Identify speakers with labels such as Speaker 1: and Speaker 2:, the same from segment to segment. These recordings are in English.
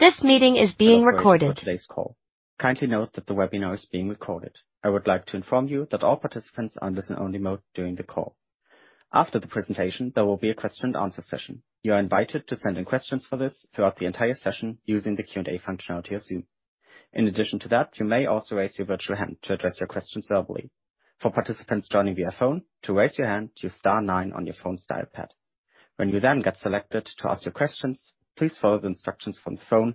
Speaker 1: This meeting is being recorded.
Speaker 2: First, for today's call. Kindly note that the webinar is being recorded. I would like to inform you that all participants are in listen-only mode during the call. After the presentation, there will be a question and answer session. You are invited to send in questions for this throughout the entire session using the Q&A functionality of Zoom. In addition to that, you may also raise your virtual hand to address your questions verbally. For participants joining via phone, to raise your hand, choose star nine on your phone's dial pad. When you get selected to ask your questions, please follow the instructions from the phone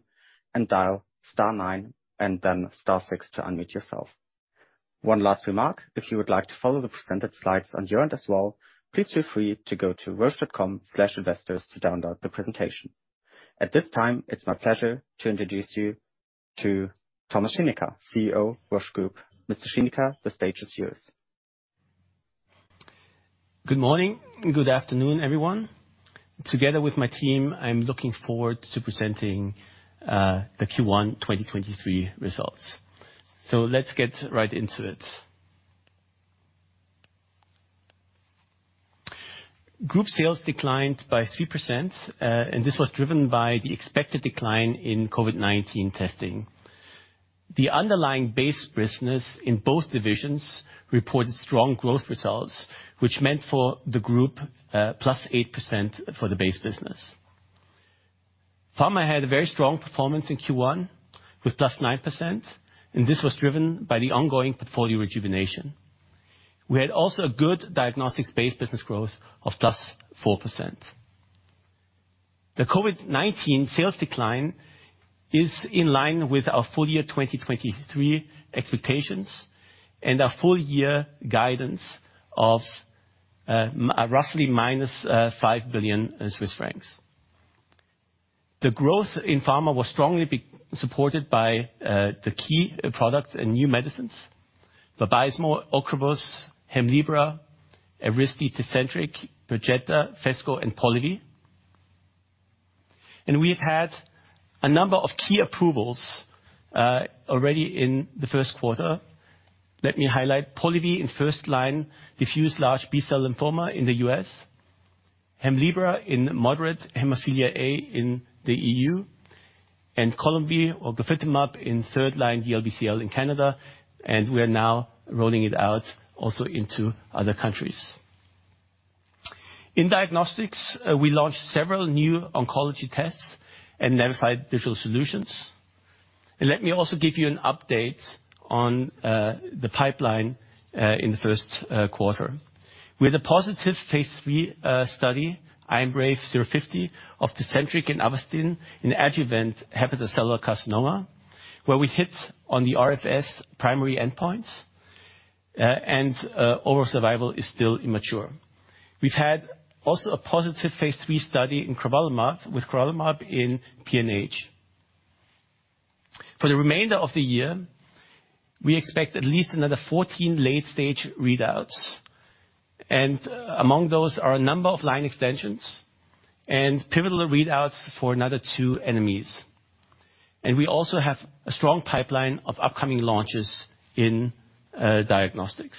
Speaker 2: and dial star nine and then star six to unmute yourself. One last remark, if you would like to follow the presented slides on your end as well, please feel free to go to roche.com/investors to download the presentation. At this time, it's my pleasure to introduce you to Thomas Schinecker, CEO, Roche Group. Mr. Schinecker, the stage is yours.
Speaker 3: Good morning. Good afternoon, everyone. Together with my team, I'm looking forward to presenting the Q1 2023 results. Let's get right into it. Group sales declined by 3%. This was driven by the expected decline in COVID-19 testing. The underlying base business in both divisions reported strong growth results, which meant for the group, +8% for the base business. Pharma had a very strong performance in Q1 with +9%. This was driven by the ongoing portfolio rejuvenation. We had also a good diagnostics-based business growth of +4%. The COVID-19 sales decline is in line with our full year 2023 expectations and our full year guidance of roughly -5 billion Swiss francs. The growth in pharma was strongly supported by the key products and new medicines: Vabysmo, Ocrevus, Hemlibra, Erivedge, Tecentriq, Perjeta, Phesgo, and Polivy. We've had a number of key approvals already in the first quarter. Let me highlight Polivy in first line diffused large B-cell lymphoma in the U.S., Hemlibra in moderate hemophilia A in the EU, and Columvi or glofitamab in third line DLBCL in Canada, and we are now rolling it out also into other countries. In diagnostics, we launched several new oncology tests and verified digital solutions. Let me also give you an update on the pipeline in the first quarter. With a positive phase III study, IMbrave050 of Tecentriq and Avastin in adjuvant hepatocellular carcinoma, where we hit on the RFS primary endpoints, and overall survival is still immature. We've had also a positive phase III study with crovalimab in PNH. For the remainder of the year, we expect at least another 14 late-stage readouts. Among those are a number of line extensions and pivotal readouts for another 2 enemies. We also have a strong pipeline of upcoming launches in diagnostics.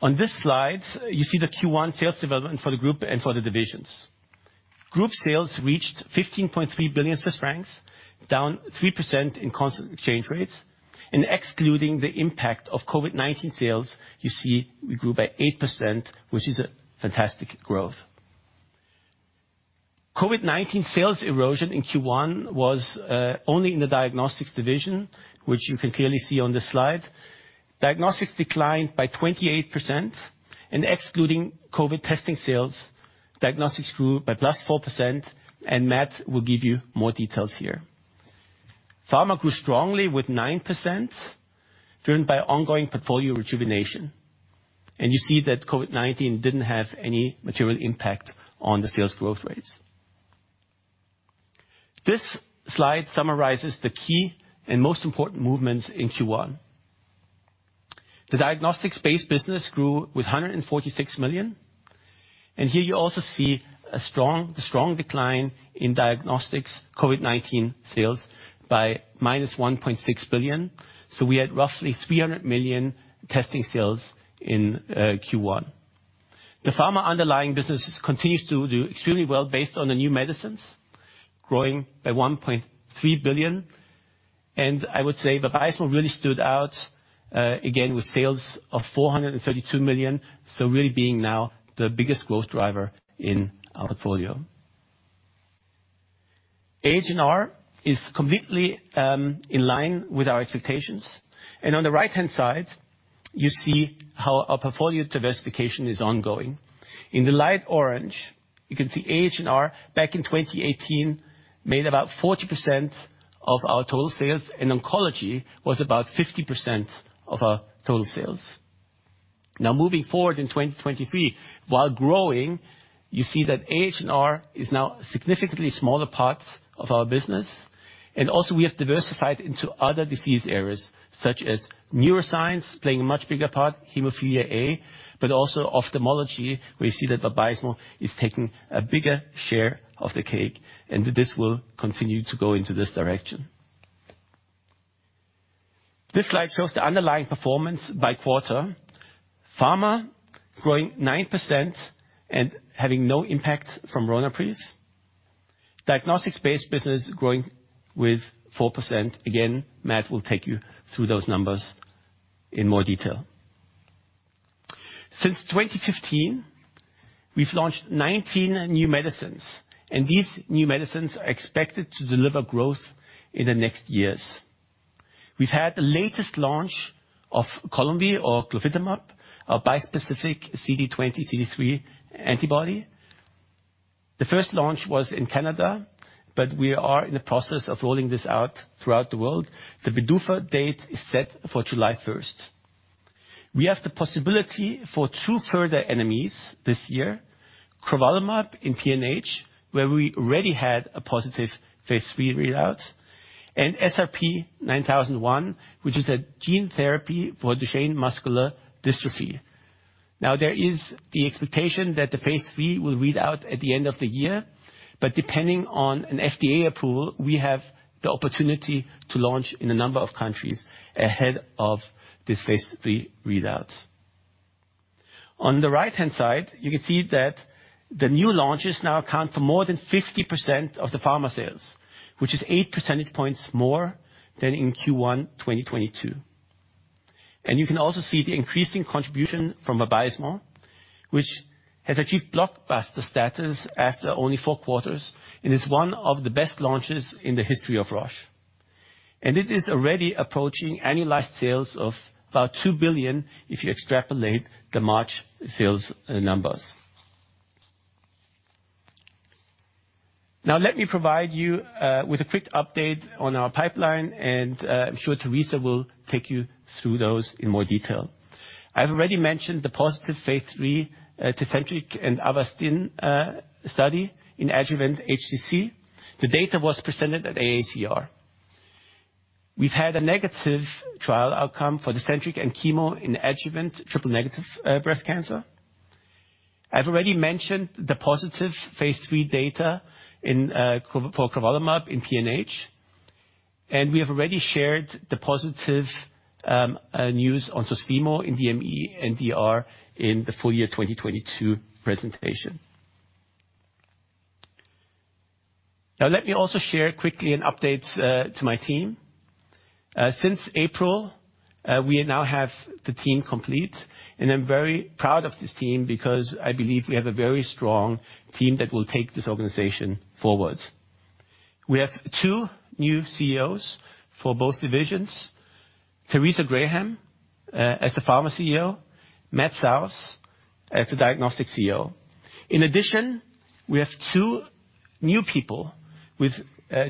Speaker 3: On this slide, you see the Q1 sales development for the group and for the divisions. Group sales reached 15.3 billion Swiss francs, down 3% in constant change rates. Excluding the impact of COVID-19 sales, you see we grew by 8%, which is a fantastic growth. COVID-19 sales erosion in Q1 was only in the diagnostics division, which you can clearly see on this slide. Diagnostics declined by 28%, excluding COVID testing sales, diagnostics grew by +4%, Matt Sause will give you more details here. Pharma grew strongly with 9%, driven by ongoing portfolio rejuvenation. You see that COVID-19 didn't have any material impact on the sales growth rates. This slide summarizes the key and most important movements in Q1. The diagnostics-based business grew with 146 million. Here you also see a strong decline in diagnostics COVID-19 sales by -1.6 billion. We had roughly 300 million testing sales in Q1. The pharma underlying business continues to do extremely well based on the new medicines, growing by 1.3 billion. I would say Vabysmo really stood out again with sales of 432 million, so really being now the biggest growth driver in our portfolio. AHR is completely in line with our expectations. On the right-hand side, you see how our portfolio diversification is ongoing. In the light orange, you can see AHR back in 2018 made about 40% of our total sales, and oncology was about 50% of our total sales. Now, moving forward in 2023, while growing, you see that AHR is now significantly smaller parts of our business. Also we have diversified into other disease areas, such as neuroscience playing a much bigger part, hemophilia A, but also ophthalmology. We see that Vabysmo is taking a bigger share of the cake, and this will continue to go into this direction. This slide shows the underlying performance by quarter. Pharma growing 9% and having no impact from Ronapreve. Diagnostics-based business growing with 4%. Again, Matt will take you through those numbers in more detail. Since 2015, we've launched 19 new medicines, and these new medicines are expected to deliver growth in the next years. We've had the latest launch of Columvi or glofitamab, a bispecific CD20/CD3 antibody. The first launch was in Canada, but we are in the process of rolling this out throughout the world. The PDUFA date is set for July 1. We have the possibility for 2 further NMEs this year, crovalimab in PNH, where we already had a positive phase 3 readout, and SRP-9001, which is a gene therapy for Duchenne muscular dystrophy. There is the expectation that the Phase III will read out at the end of the year, but depending on an FDA approval, we have the opportunity to launch in a number of countries ahead of this Phase III readout. On the right-hand side, you can see that the new launches now account for more than 50% of the pharma sales, which is 8 percentage points more than in Q1 2022. You can also see the increasing contribution from Vabysmo, which has achieved blockbuster status after only 4 quarters and is one of the best launches in the history of Roche. It is already approaching annualized sales of about $2 billion if you extrapolate the March sales numbers. Let me provide you with a quick update on our pipeline, I'm sure Teresa will take you through those in more detail. I've already mentioned the positive phase III Tecentriq and Avastin study in adjuvant HCC. The data was presented at AACR. We've had a negative trial outcome for Tecentriq and chemo in adjuvant triple negative breast cancer. I've already mentioned the positive phase III data in for crovalimab in PNH, and we have already shared the positive news on Susvimo in DME and DR in the full year 2022 presentation. Let me also share quickly an update to my team. Since April, we now have the team complete, and I'm very proud of this team because I believe we have a very strong team that will take this organization forward. We have two new CEOs for both divisions. Teresa Graham as the pharma CEO. Matt Sause as the diagnostics CEO. In addition, we have two new people with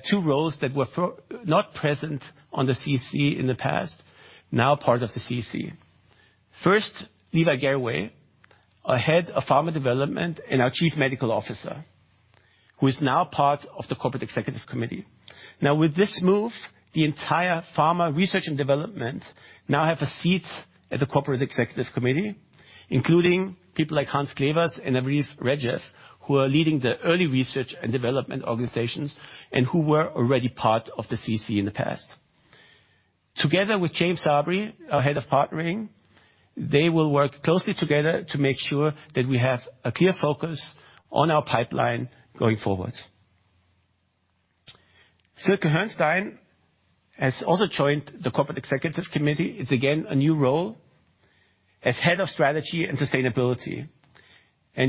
Speaker 3: two roles that were not present on the CC in the past, now part of the CC. First, Levi Garraway, our Head of Pharma Development and our Chief Medical Officer, who is now part of the corporate executive committee. Now, with this move, the entire pharma research and development now have a seat at the corporate executive committee, including people like Hans Clevers and Aviv Regev, who are leading the early research and development organizations, and who were already part of the CC in the past. Together with James Sabry, our Head of Partnering, they will work closely together to make sure that we have a clear focus on our pipeline going forward. Silke Hörnstein has also joined the corporate executive committee. It's again a new role as head of strategy and sustainability.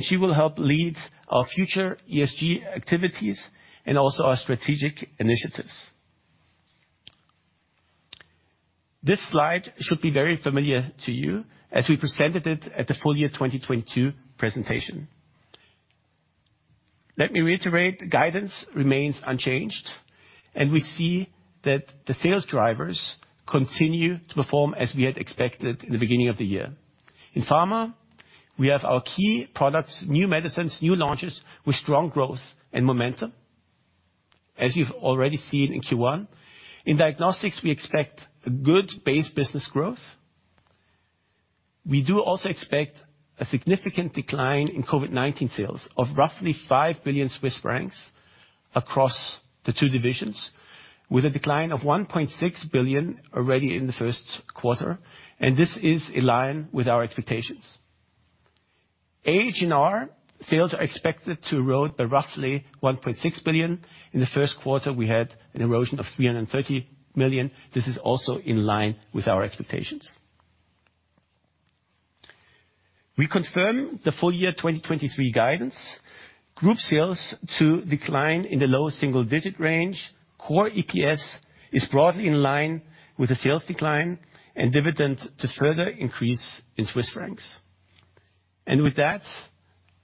Speaker 3: She will help lead our future ESG activities and also our strategic initiatives. This slide should be very familiar to you as we presented it at the full year 2022 presentation. Let me reiterate, guidance remains unchanged. We see that the sales drivers continue to perform as we had expected in the beginning of the year. In pharma, we have our key products, new medicines, new launches with strong growth and momentum, as you've already seen in Q1. In diagnostics, we expect a good base business growth. We do also expect a significant decline in COVID-19 sales of roughly 5 billion Swiss francs across the two divisions, with a decline of 1.6 billion already in the first quarter. This is in line with our expectations. AHR sales are expected to erode by roughly 1.6 billion. In the first quarter, we had an erosion of 330 million. This is also in line with our expectations. We confirm the full year 2023 guidance. Group sales to decline in the low single-digit range. Core EPS is broadly in line with the sales decline and dividend to further increase in Swiss francs. With that,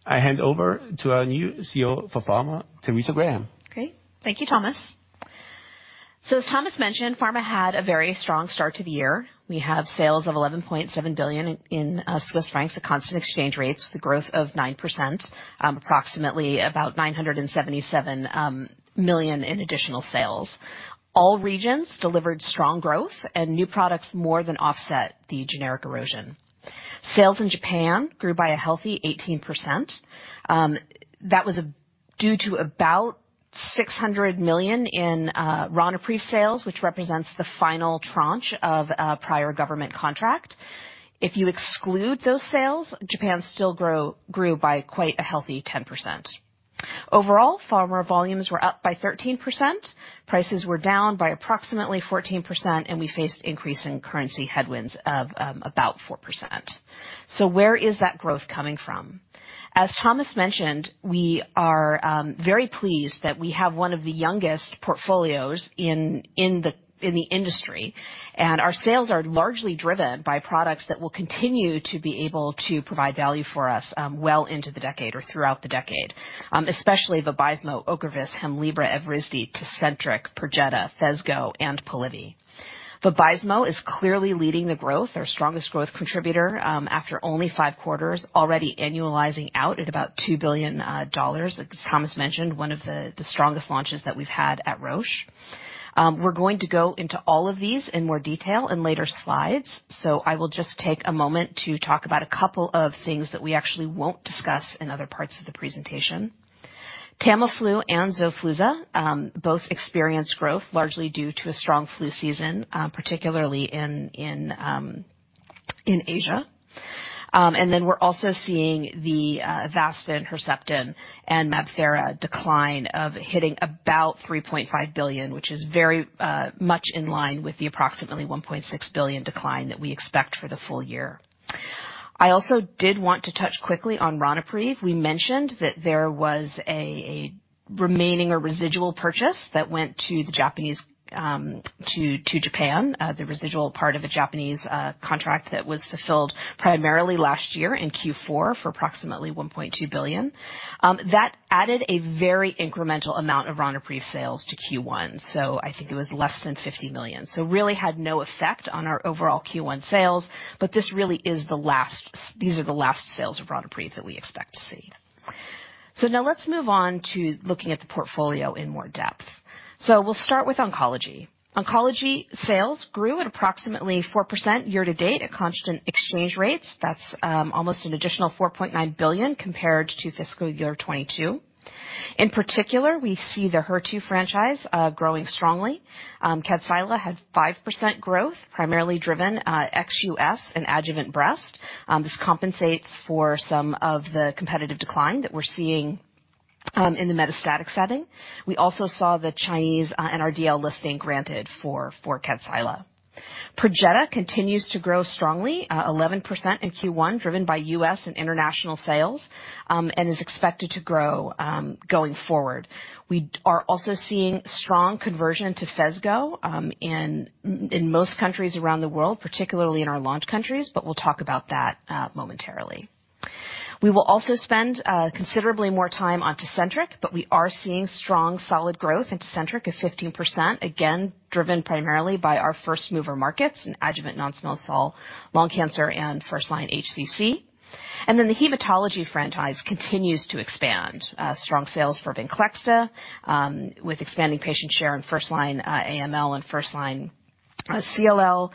Speaker 3: I hand over to our new CEO for Pharma, Teresa Graham.
Speaker 4: Great. Thank you, Thomas. As Thomas mentioned, Pharma had a very strong start to the year. We have sales of 11.7 billion at constant exchange rates with a growth of 9%, approximately 977 million in additional sales. All regions delivered strong growth and new products more than offset the generic erosion. Sales in Japan grew by a healthy 18%. That was due to about 600 million in Ronapreve sales, which represents the final tranche of a prior government contract. If you exclude those sales, Japan still grew by quite a healthy 10%. Overall, Pharma volumes were up by 13%, prices were down by approximately 14%, and we faced increasing currency headwinds of about 4%. Where is that growth coming from? As Thomas mentioned, we are very pleased that we have one of the youngest portfolios in the industry. Our sales are largely driven by products that will continue to be able to provide value for us well into the decade or throughout the decade, especially Vabysmo, Ocrevus, Hemlibra, Evrysdi, Tecentriq, Perjeta, Phesgo, and Polivy. Vabysmo is clearly leading the growth, our strongest growth contributor, after only five quarters, already annualizing out at about $2 billion. As Thomas mentioned, one of the strongest launches that we've had at Roche. We're going to go into all of these in more detail in later slides. I will just take a moment to talk about a couple of things that we actually won't discuss in other parts of the presentation. Tamiflu and Xofluza, both experienced growth largely due to a strong flu season, particularly in Asia. Then we're also seeing the Avastin, Herceptin, and MabThera decline of hitting about $3.5 billion, which is very much in line with the approximately $1.6 billion decline that we expect for the full year. I also did want to touch quickly on Ronapreve. We mentioned that there was a remaining or residual purchase that went to the Japanese to Japan, the residual part of a Japanese contract that was fulfilled primarily last year in Q4 for approximately $1.2 billion. That added a very incremental amount of Ronapreve sales to Q1, so I think it was less than $50 million. Really had no effect on our overall Q1 sales. This really is the last these are the last sales of Ronapreve that we expect to see. Now let's move on to looking at the portfolio in more depth. We'll start with oncology. Oncology sales grew at approximately 4% year to date at constant exchange rates. That's almost an additional 4.9 billion compared to fiscal year 2022. In particular, we see the HER2 franchise growing strongly. Kadcyla had 5% growth, primarily driven XUS and adjuvant breast. This compensates for some of the competitive decline that we're seeing in the metastatic setting. We also saw the Chinese NRDL listing granted for Kadcyla. Perjeta continues to grow strongly, 11% in Q1, driven by U.S. and international sales, and is expected to grow going forward. We are also seeing strong conversion to Phesgo in most countries around the world, particularly in our launch countries, but we'll talk about that momentarily. We will also spend considerably more time on Tecentriq, but we are seeing strong, solid growth, and Tecentriq is 15%, again, driven primarily by our first mover markets in adjuvant non-small cell lung cancer and first line HCC. The hematology franchise continues to expand, strong sales for Venclexta, with expanding patient share in first line AML and first line CLL.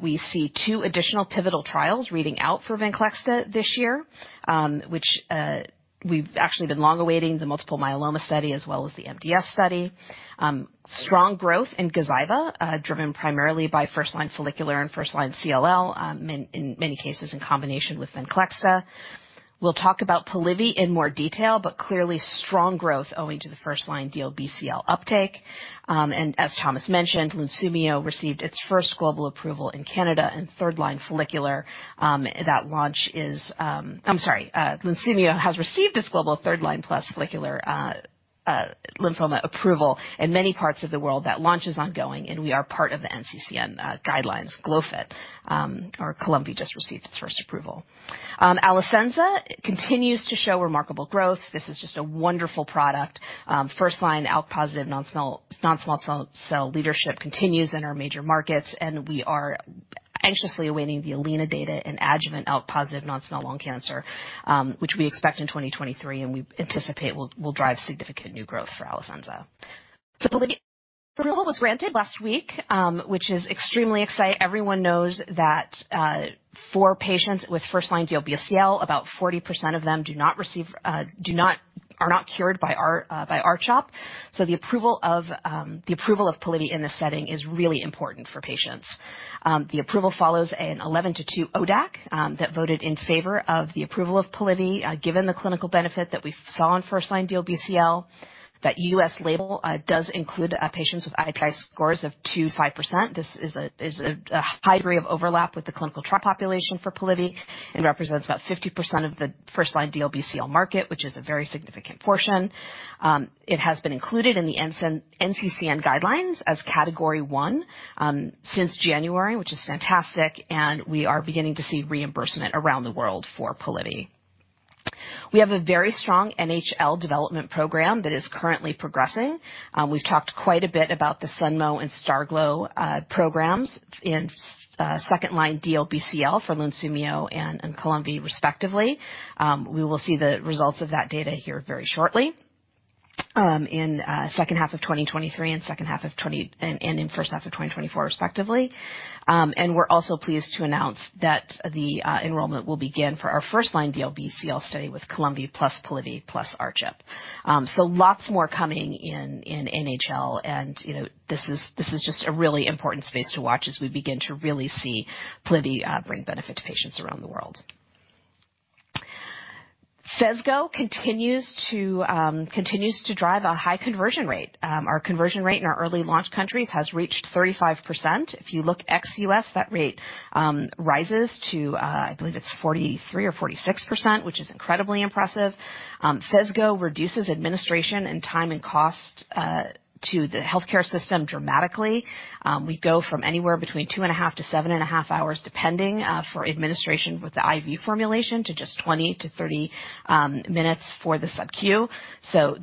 Speaker 4: We see two additional pivotal trials reading out for Venclexta this year, which we've actually been long awaiting the multiple myeloma study as well as the MDS study. Strong growth in Gazyva, driven primarily by first-line follicular and first-line CLL, in many cases in combination with Venclexta. We'll talk about Polivy in more detail, but clearly strong growth owing to the first-line DLBCL uptake. As Thomas mentioned, Lunsumio has received its global third-line plus follicular lymphoma approval in many parts of the world. That launch is ongoing, and we are part of the NCCN guidelines. Glofit, or Columvi, just received its first approval. Alecensa continues to show remarkable growth. This is just a wonderful product. First line ALK-positive non-small cell leadership continues in our major markets, and we are anxiously awaiting the ALINA data and adjuvant ALK-positive non-small cell lung cancer, which we expect in 2023 and we anticipate will drive significant new growth for Alecensa. Polivy approval was granted last week, which is extremely exciting. Everyone knows that for patients with first line DLBCL, about 40% of them are not cured by R-CHOP. The approval of Polivy in this setting is really important for patients. The approval follows an 11-2 ODAC that voted in favor of the approval of Polivy, given the clinical benefit that we saw in first line DLBCL. That U.S. label does include patients with IPI scores of 2%-5%. This is a high degree of overlap with the clinical trial population for Polivy and represents about 50% of the first line DLBCL market, which is a very significant portion. It has been included in the NCCN guidelines as Category 1 since January, which is fantastic, and we are beginning to see reimbursement around the world for Polivy. We have a very strong NHL development program that is currently progressing. We've talked quite a bit about the SUNMO and STARGLO programs in second-line DLBCL for Lunsumio and Columvi respectively. We will see the results of that data here very shortly. In second half of 2023 and in first half of 2024 respectively. And we're also pleased to announce that the enrollment will begin for our first-line DLBCL study with Columvi plus Polivy plus R-CHOP. Lots more coming in NHL and, you know, this is just a really important space to watch as we begin to really see Polivy bring benefit to patients around the world. Phesgo continues to drive a high conversion rate. Our conversion rate in our early launch countries has reached 35%. If you look ex-U.S., that rate rises to, I believe it's 43% or 46%, which is incredibly impressive. Phesgo reduces administration and time and cost to the healthcare system dramatically. We go from anywhere between 2.5 to 7.5 hours, depending, for administration with the IV formulation to just 20-30 minutes for the sub Q.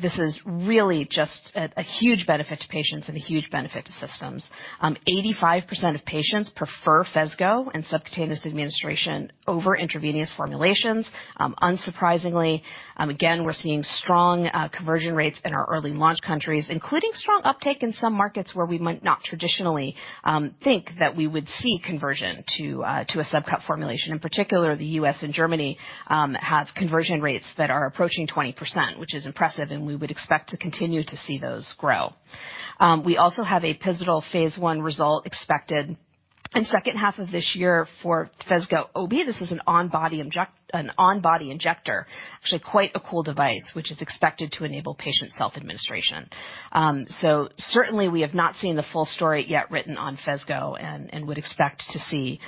Speaker 4: This is really just a huge benefit to patients and a huge benefit to systems. 85% of patients prefer Phesgo and subcutaneous administration over intravenous formulations. Unsurprisingly, again, we're seeing strong conversion rates in our early launch countries, including strong uptake in some markets where we might not traditionally think that we would see conversion to a subcut formulation. In particular, the U.S. and Germany has conversion rates that are approaching 20%, which is impressive, and we would expect to continue to see those grow. We also have a pivotal phase I result expected in second half of this year for Phesgo-OB. This is an on-body injector, actually, quite a cool device, which is expected to enable patient self-administration. Certainly, we have not seen the full story yet written on Phesgo and would expect to see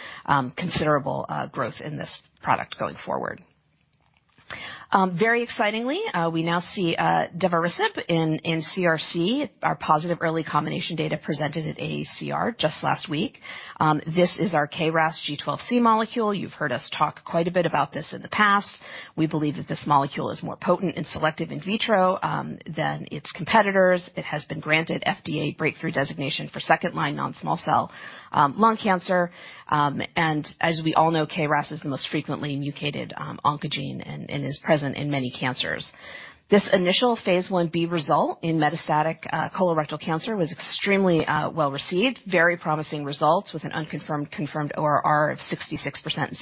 Speaker 4: considerable growth in this product going forward. Very excitingly, we now see divarasib in CRC, our positive early combination data presented at AACR just last week. This is our KRAS G12C molecule. You've heard us talk quite a bit about this in the past. We believe that this molecule is more potent and selective in vitro than its competitors. It has been granted FDA breakthrough designation for second-line non-small cell lung cancer. As we all know, KRAS is the most frequently mutated oncogene and is present in many cancers. This initial Phase I-B result in metastatic colorectal cancer was extremely well-received, very promising results with an unconfirmed, confirmed ORR of 66% and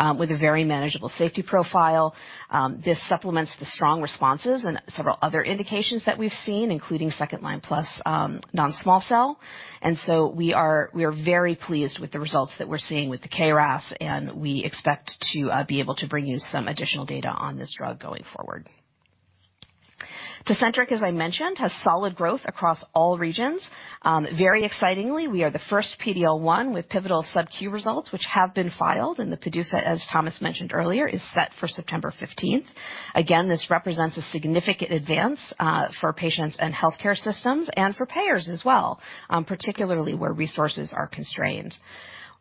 Speaker 4: 62% with a very manageable safety profile. This supplements the strong responses and several other indications that we've seen, including second line plus non-small cell. We are very pleased with the results that we're seeing with the KRAS, and we expect to be able to bring you some additional data on this drug going forward. Tecentriq, as I mentioned, has solid growth across all regions. Very excitingly, we are the first PD-L1 with pivotal subQ results, which have been filed in the PDUFA, as Thomas mentioned earlier, is set for September 15th. Again, this represents a significant advance for patients and healthcare systems and for payers as well, particularly where resources are constrained.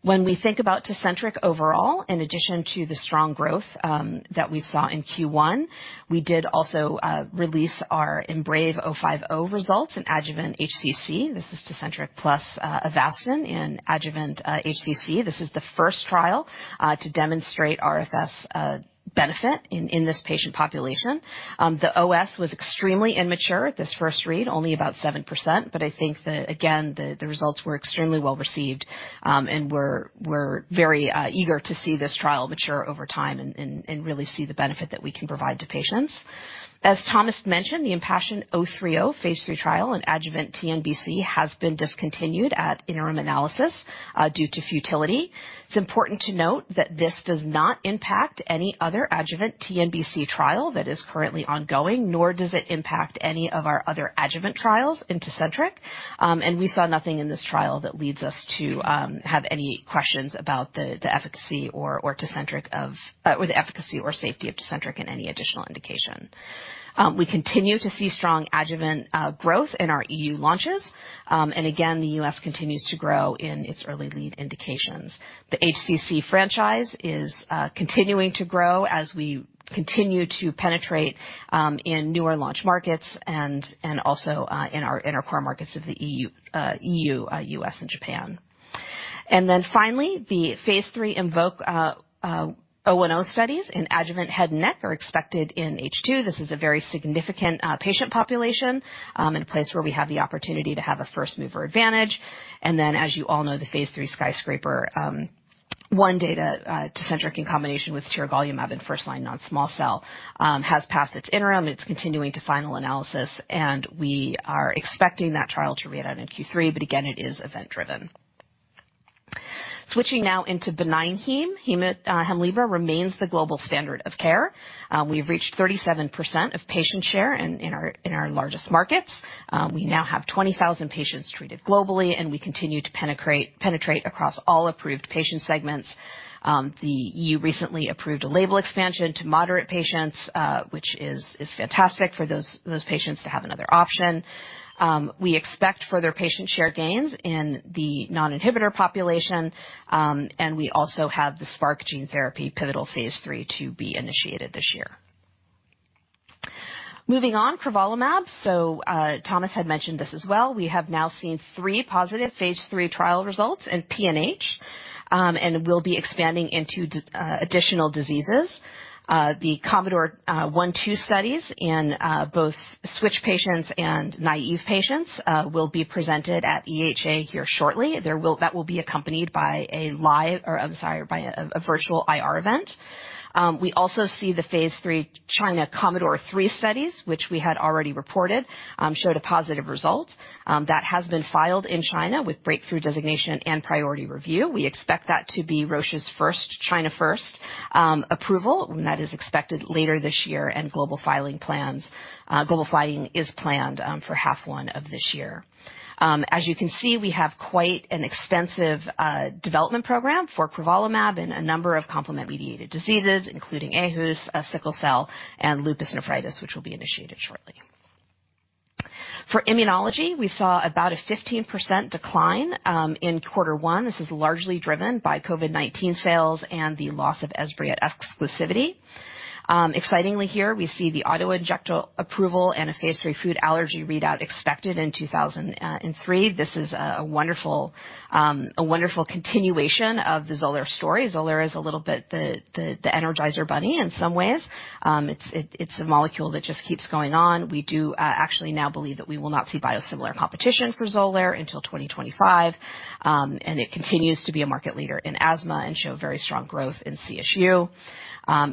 Speaker 4: When we think about Tecentriq overall, in addition to the strong growth that we saw in Q1, we did also release our IMbrave050 results in adjuvant HCC. This is Tecentriq plus Avastin in adjuvant HCC. This is the first trial to demonstrate RFS benefit in this patient population. The OS was extremely immature at this first read, only about 7%. Again, the results were extremely well-received, and we're very eager to see this trial mature over time and really see the benefit that we can provide to patients. As Thomas mentioned, the IMpassion030 phase III trial and adjuvant TNBC has been discontinued at interim analysis due to futility. It's important to note that this does not impact any other adjuvant TNBC trial that is currently ongoing, nor does it impact any of our other adjuvant trials in Tecentriq. We saw nothing in this trial that leads us to have any questions about the efficacy or safety of Tecentriq in any additional indication. We continue to see strong adjuvant growth in our EU launches. The U.S. continues to grow in its early lead indications. The HCC franchise is continuing to grow as we continue to penetrate in newer launch markets and also in our inner core markets of the EU, U.S. and Japan. Finally, the Phase III IMvoke010 studies in adjuvant head and neck are expected in H2. This is a very significant patient population, and a place where we have the opportunity to have a first-mover advantage. As you all know, the phase III SKYSCRAPER-01 data, Tecentriq in combination with tiragolumab in first-line non-small cell, has passed its interim. It's continuing to final analysis, we are expecting that trial to read out in Q3, it is event-driven. Switching now into benign heme. Hemlibra remains the global standard of care. We've reached 37% of patient share in our largest markets. We now have 20,000 patients treated globally, and we continue to penetrate across all approved patient segments. The EU recently approved a label expansion to moderate patients, which is fantastic for those patients to have another option. We expect further patient share gains in the non-inhibitor population, and we also have the Spark gene therapy pivotal phase III to be initiated this year. Moving on, crovalimab. Thomas had mentioned this as well. We have now seen three positive phase III trial results in PNH. We'll be expanding into additional diseases. The COMMODORE 1-2 studies in both switch patients and naive patients will be presented at EHA here shortly. That will be accompanied by a live or I'm sorry, by a virtual IR event. We also see the phase III China COMMODORE 3 studies, which we had already reported, showed a positive result that has been filed in China with breakthrough designation and priority review. We expect that to be Roche's first China first approval, and that is expected later this year and global filing plans. Global filing is planned for half one of this year. As you can see, we have quite an extensive development program for crovalimab in a number of complement mediated diseases, including AHUS, sickle cell, and lupus nephritis, which will be initiated shortly. For immunology, we saw about a 15% decline in quarter one. This is largely driven by COVID-19 sales and the loss of Esbriet exclusivity. Excitingly here, we see the auto-injector approval and a phase 3 food allergy readout expected in 2003. This is a wonderful continuation of the Xolair story. Xolair is a little bit the energizer bunny in some ways. It's a molecule that just keeps going on. We do actually now believe that we will not see biosimilar competition for Xolair until 2025, and it continues to be a market leader in asthma and show very strong growth in CSU.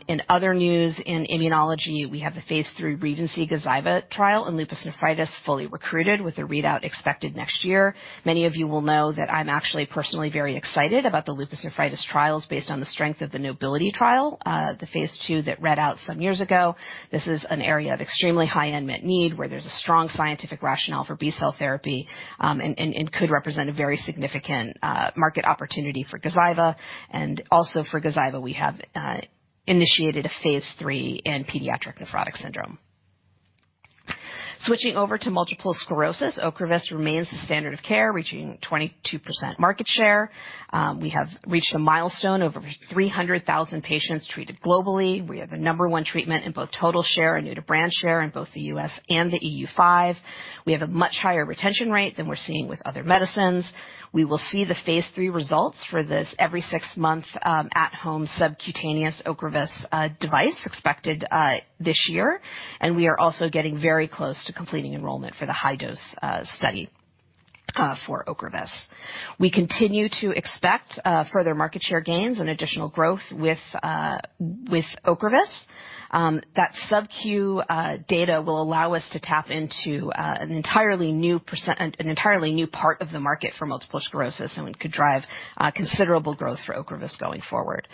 Speaker 4: In other news, in immunology, we have the phase III REGENCY Gazyva trial, in lupus nephritis fully recruited with a readout expected next year. Many of you will know that I'm actually personally very excited about the lupus nephritis trials based on the strength of the NOBILITY trial, the phase II that read out some years ago. This is an area of extremely high unmet need where there's a strong scientific rationale for B-cell therapy, and could represent a very significant market opportunity for Gazyva. Also for Gazyva, we have initiated a phase III in pediatric nephrotic syndrome. Switching over to multiple sclerosis, Ocrevus remains the standard of care, reaching 22% market share. We have reached a milestone, over 300,000 patients treated globally. We have a number 1 treatment in both total share and new to brand share in both the U.S. and the EU 5. We have a much higher retention rate than we're seeing with other medicines. We will see the phase III results for this every six months, at-home subcutaneous Ocrevus device expected this year. We are also getting very close to completing enrollment for the high dose study for Ocrevus. We continue to expect further market share gains and additional growth with Ocrevus. That sub-Q data will allow us to tap into an entirely new part of the market for multiple sclerosis, and we could drive considerable growth for Ocrevus going forward.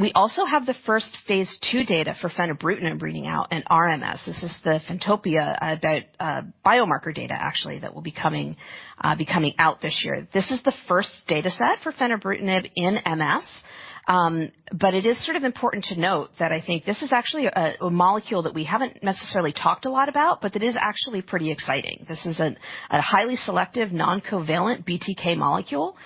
Speaker 4: We also have the first phase II data for fenebrutinib reading out in RMS. This is the FENopta biomarker data, actually, that will be coming out this year. This is the first dataset for fenebrutinib in MS. It is sort of important to note that I think this is actually a molecule that we haven't necessarily talked a lot about, but it is actually pretty exciting. This is a highly selective non-covalent BTK molecule.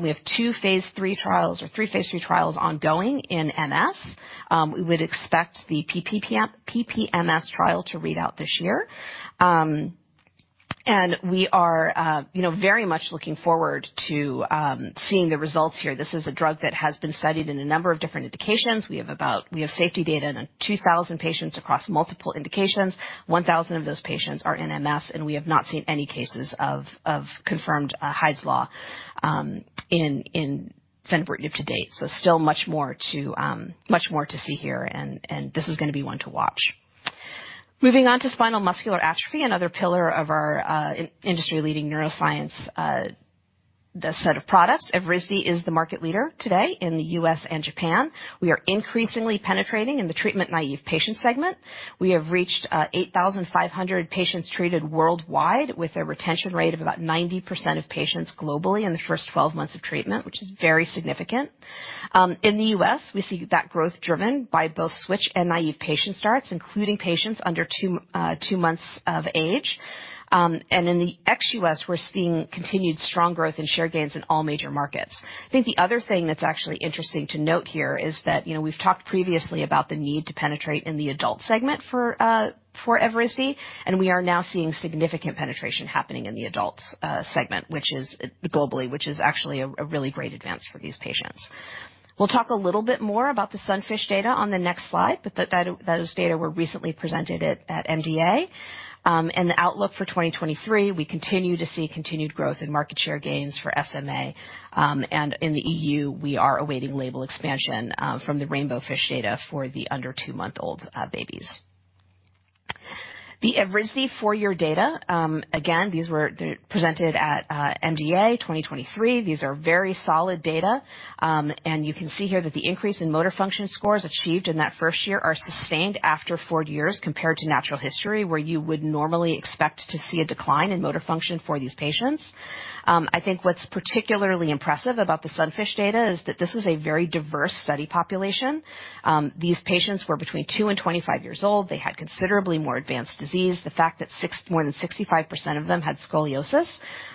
Speaker 4: We have two phase III trials or three phase III trials ongoing in MS. We would expect the PPMS trial to read out this year. We are, you know, very much looking forward to seeing the results here. This is a drug that has been studied in a number of different indications. We have safety data in 2,000 patients across multiple indications. 1,000 of those patients are in MS, and we have not seen any cases of confirmed Hy's Law in fenebrutinib to date. Still much more to see here. This is gonna be one to watch. Moving on to spinal muscular atrophy, another pillar of our industry-leading neuroscience set of products. Evrysdi is the market leader today in the U.S. and Japan. We are increasingly penetrating in the treatment naive patient segment. We have reached 8,500 patients treated worldwide with a retention rate of about 90% of patients globally in the first 12 months of treatment, which is very significant. In the U.S., we see that growth driven by both switch and naive patient starts, including patients under two months of age. In the ex-U.S., we're seeing continued strong growth in share gains in all major markets. I think the other thing that's actually interesting to note here is that, you know, we've talked previously about the need to penetrate in the adult segment for Evrysdi, we are now seeing significant penetration happening in the adult segment, which is globally, which is actually a really great advance for these patients. We'll talk a little bit more about the SUNFISH data on the next slide, but those data were recently presented at MDA. The outlook for 2023, we continue to see continued growth in market share gains for SMA. In the EU, we are awaiting label expansion from the RAINBOWFISH data for the under 2-month-old babies. The Evrysdi 4-year data, again, these were presented at MDA 2023. These are very solid data. You can see here that the increase in motor function scores achieved in that 1st year are sustained after 4 years compared to natural history, where you would normally expect to see a decline in motor function for these patients. I think what's particularly impressive about the SUNFISH data is that this is a very diverse study population. These patients were between 2 years old and 25 years old. They had considerably more advanced disease. The fact that more than 65% of them had scoliosis,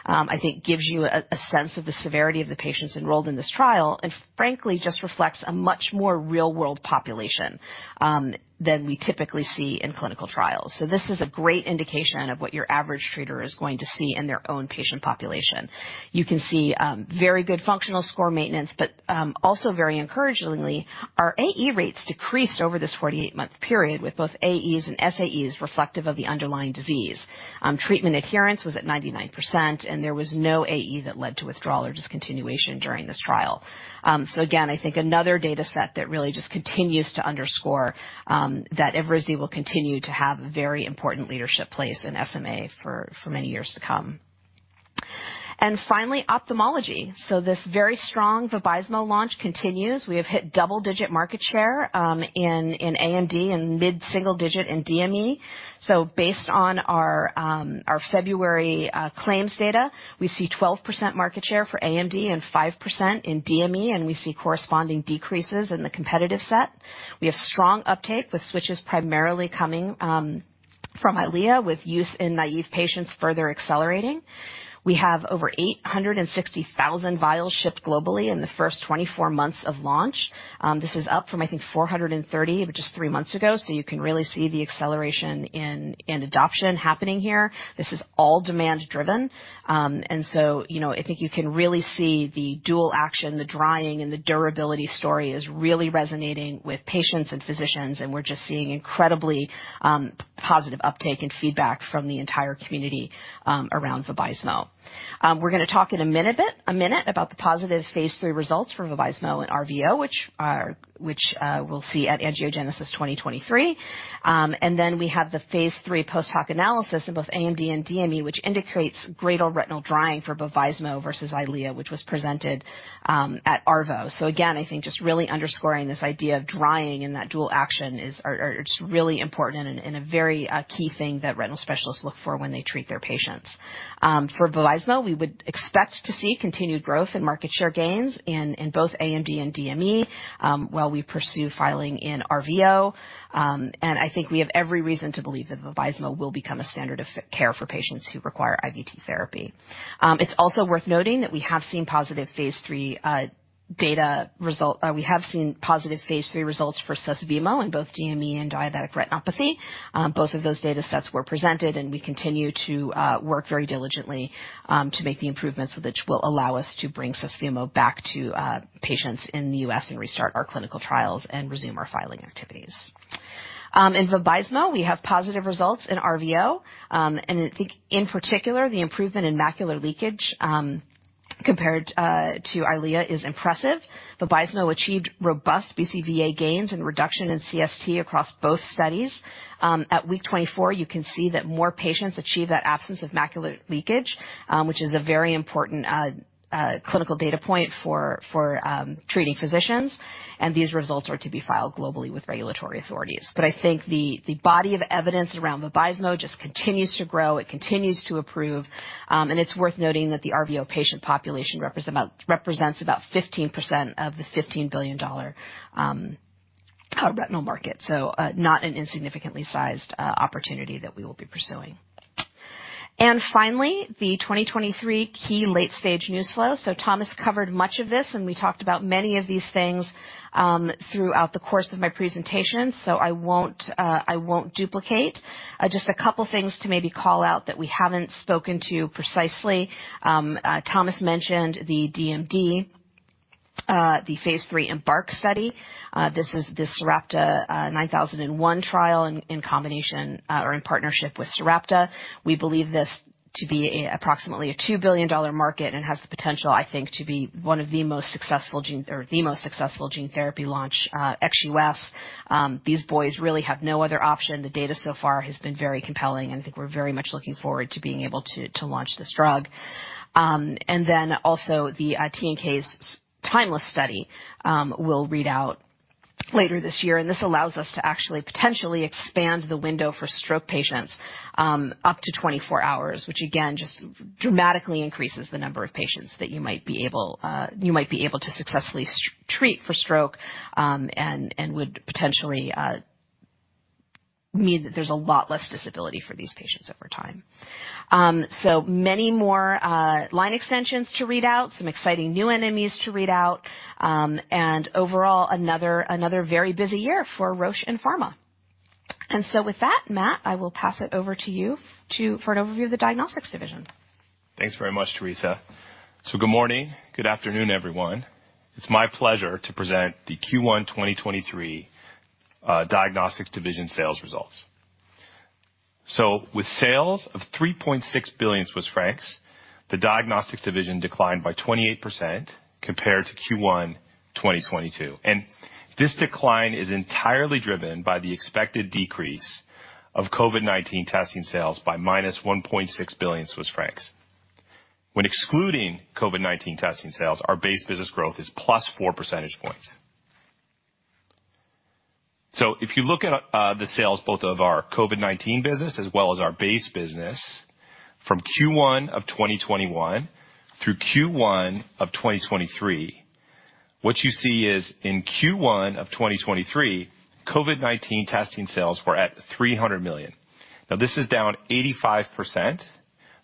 Speaker 4: I think gives you a sense of the severity of the patients enrolled in this trial, and frankly, just reflects a much more real-world population than we typically see in clinical trials. This is a great indication of what your average treater is going to see in their own patient population. You can see very good functional score maintenance, also very encouragingly, our AE rates decreased over this 48-month period with both AEs and SAEs reflective of the underlying disease. Treatment adherence was at 99%, and there was no AE that led to withdrawal or discontinuation during this trial. Again, I think another data set that really just continues to underscore that Evrysdi will continue to have a very important leadership place in SMA for many years to come. Finally, ophthalmology. This very strong Vabysmo launch continues. We have hit double-digit market share in AMD and mid-single digit in DME. Based on our February claims data, we see 12% market share for AMD and 5% in DME, and we see corresponding decreases in the competitive set. We have strong uptake, with switches primarily coming from Eylea, with use in naive patients further accelerating. We have over 860,000 vials shipped globally in the first 24 months of launch. This is up from, I think, 430 just 3 months ago, so you can really see the acceleration in adoption happening here. This is all demand-driven. You know, I think you can really see the dual action. The drying and the durability story is really resonating with patients and physicians, and we're just seeing incredibly positive uptake and feedback from the entire community around Vabysmo. We're going to talk in a minute about the positive phase III results for Vabysmo and RVO, which we'll see at Angiogenesis 2023. We have the phase III post-hoc analysis in both AMD and DME, which indicates greater retinal drying for Vabysmo versus Eylea, which was presented at ARVO. Again, I think just really underscoring this idea of drying and that dual action it's really important and a very key thing that retinal specialists look for when they treat their patients. For Vabysmo, we would expect to see continued growth in market share gains in both AMD and DME, while we pursue filing in RVO. I think we have every reason to believe that Vabysmo will become a standard of care for patients who require IVT therapy. It's also worth noting that we have seen positive phase three results for Susvimo in both DME and diabetic retinopathy. Both of those data sets were presented. We continue to work very diligently to make the improvements which will allow us to bring Susvimo back to patients in the U.S. and restart our clinical trials and resume our filing activities. In Vabysmo, we have positive results in RVO. I think in particular, the improvement in macular leakage compared to Eylea is impressive. Vabysmo achieved robust BCVA gains and reduction in CST across both studies. At week 24, you can see that more patients achieve that absence of macular leakage, which is a very important clinical data point for treating physicians. These results are to be filed globally with regulatory authorities. I think the body of evidence around Vabysmo just continues to grow, it continues to improve, and it's worth noting that the RVO patient population represents about 15% of the $15 billion retinal market. Not an insignificantly sized opportunity that we will be pursuing. Finally, the 2023 key late-stage news flow. Thomas covered much of this, and we talked about many of these things throughout the course of my presentation, so I won't duplicate. Just a couple things to maybe call out that we haven't spoken to precisely. Thomas mentioned the DMD, the phase III mBARK study. This is the Sarepta 9001 trial in combination or in partnership with Sarepta. We believe this to be approximately a $2 billion market and has the potential, I think, to be one of the most successful gene or the most successful gene therapy launch ex-U.S. These boys really have no other option. The data so far has been very compelling, and I think we're very much looking forward to being able to launch this drug. The TNKase TIMELESS study will read out later this year, and this allows us to actually potentially expand the window for stroke patients up to 24 hours, which again, just dramatically increases the number of patients that you might be able, you might be able to successfully treat for stroke, and would potentially mean that there's a lot less disability for these patients over time. So many more line extensions to read out, some exciting new NMEs to read out, and overall, another very busy year for Roche and Pharma. With that, Matt, I will pass it over to you for an overview of the diagnostics division.
Speaker 5: Thanks very much, Teresa. Good morning, good afternoon, everyone. It's my pleasure to present the Q1 2023 Diagnostics division sales results. With sales of 3.6 billion Swiss francs, the Diagnostics division declined by 28% compared to Q1 2022. This decline is entirely driven by the expected decrease of COVID-19 testing sales by -1.6 billion Swiss francs. When excluding COVID-19 testing sales, our base business growth is +4 percentage points. If you look at the sales both of our COVID-19 business as well as our base business from Q1 of 2021 through Q1 of 2023, what you see is in Q1 of 2023, COVID-19 testing sales were at 300 million. This is down 85%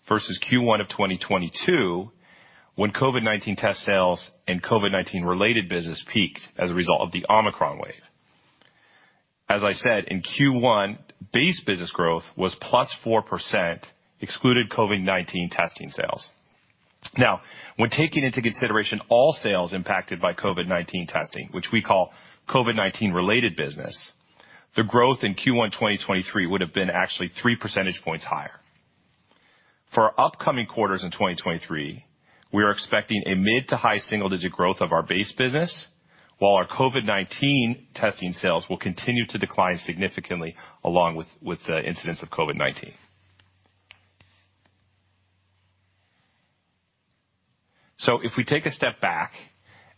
Speaker 5: versus Q1 of 2022, when COVID-19 test sales and COVID-19 related business peaked as a result of the Omicron wave. As I said, in Q1, base business growth was +4%, excluded COVID-19 testing sales. When taking into consideration all sales impacted by COVID-19 testing, which we call COVID-19 related business, the growth in Q1 2023 would have been actually 3 percentage points higher. For our upcoming quarters in 2023, we are expecting a mid to high single-digit growth of our base business, while our COVID-19 testing sales will continue to decline significantly along with the incidence of COVID-19. If we take a step back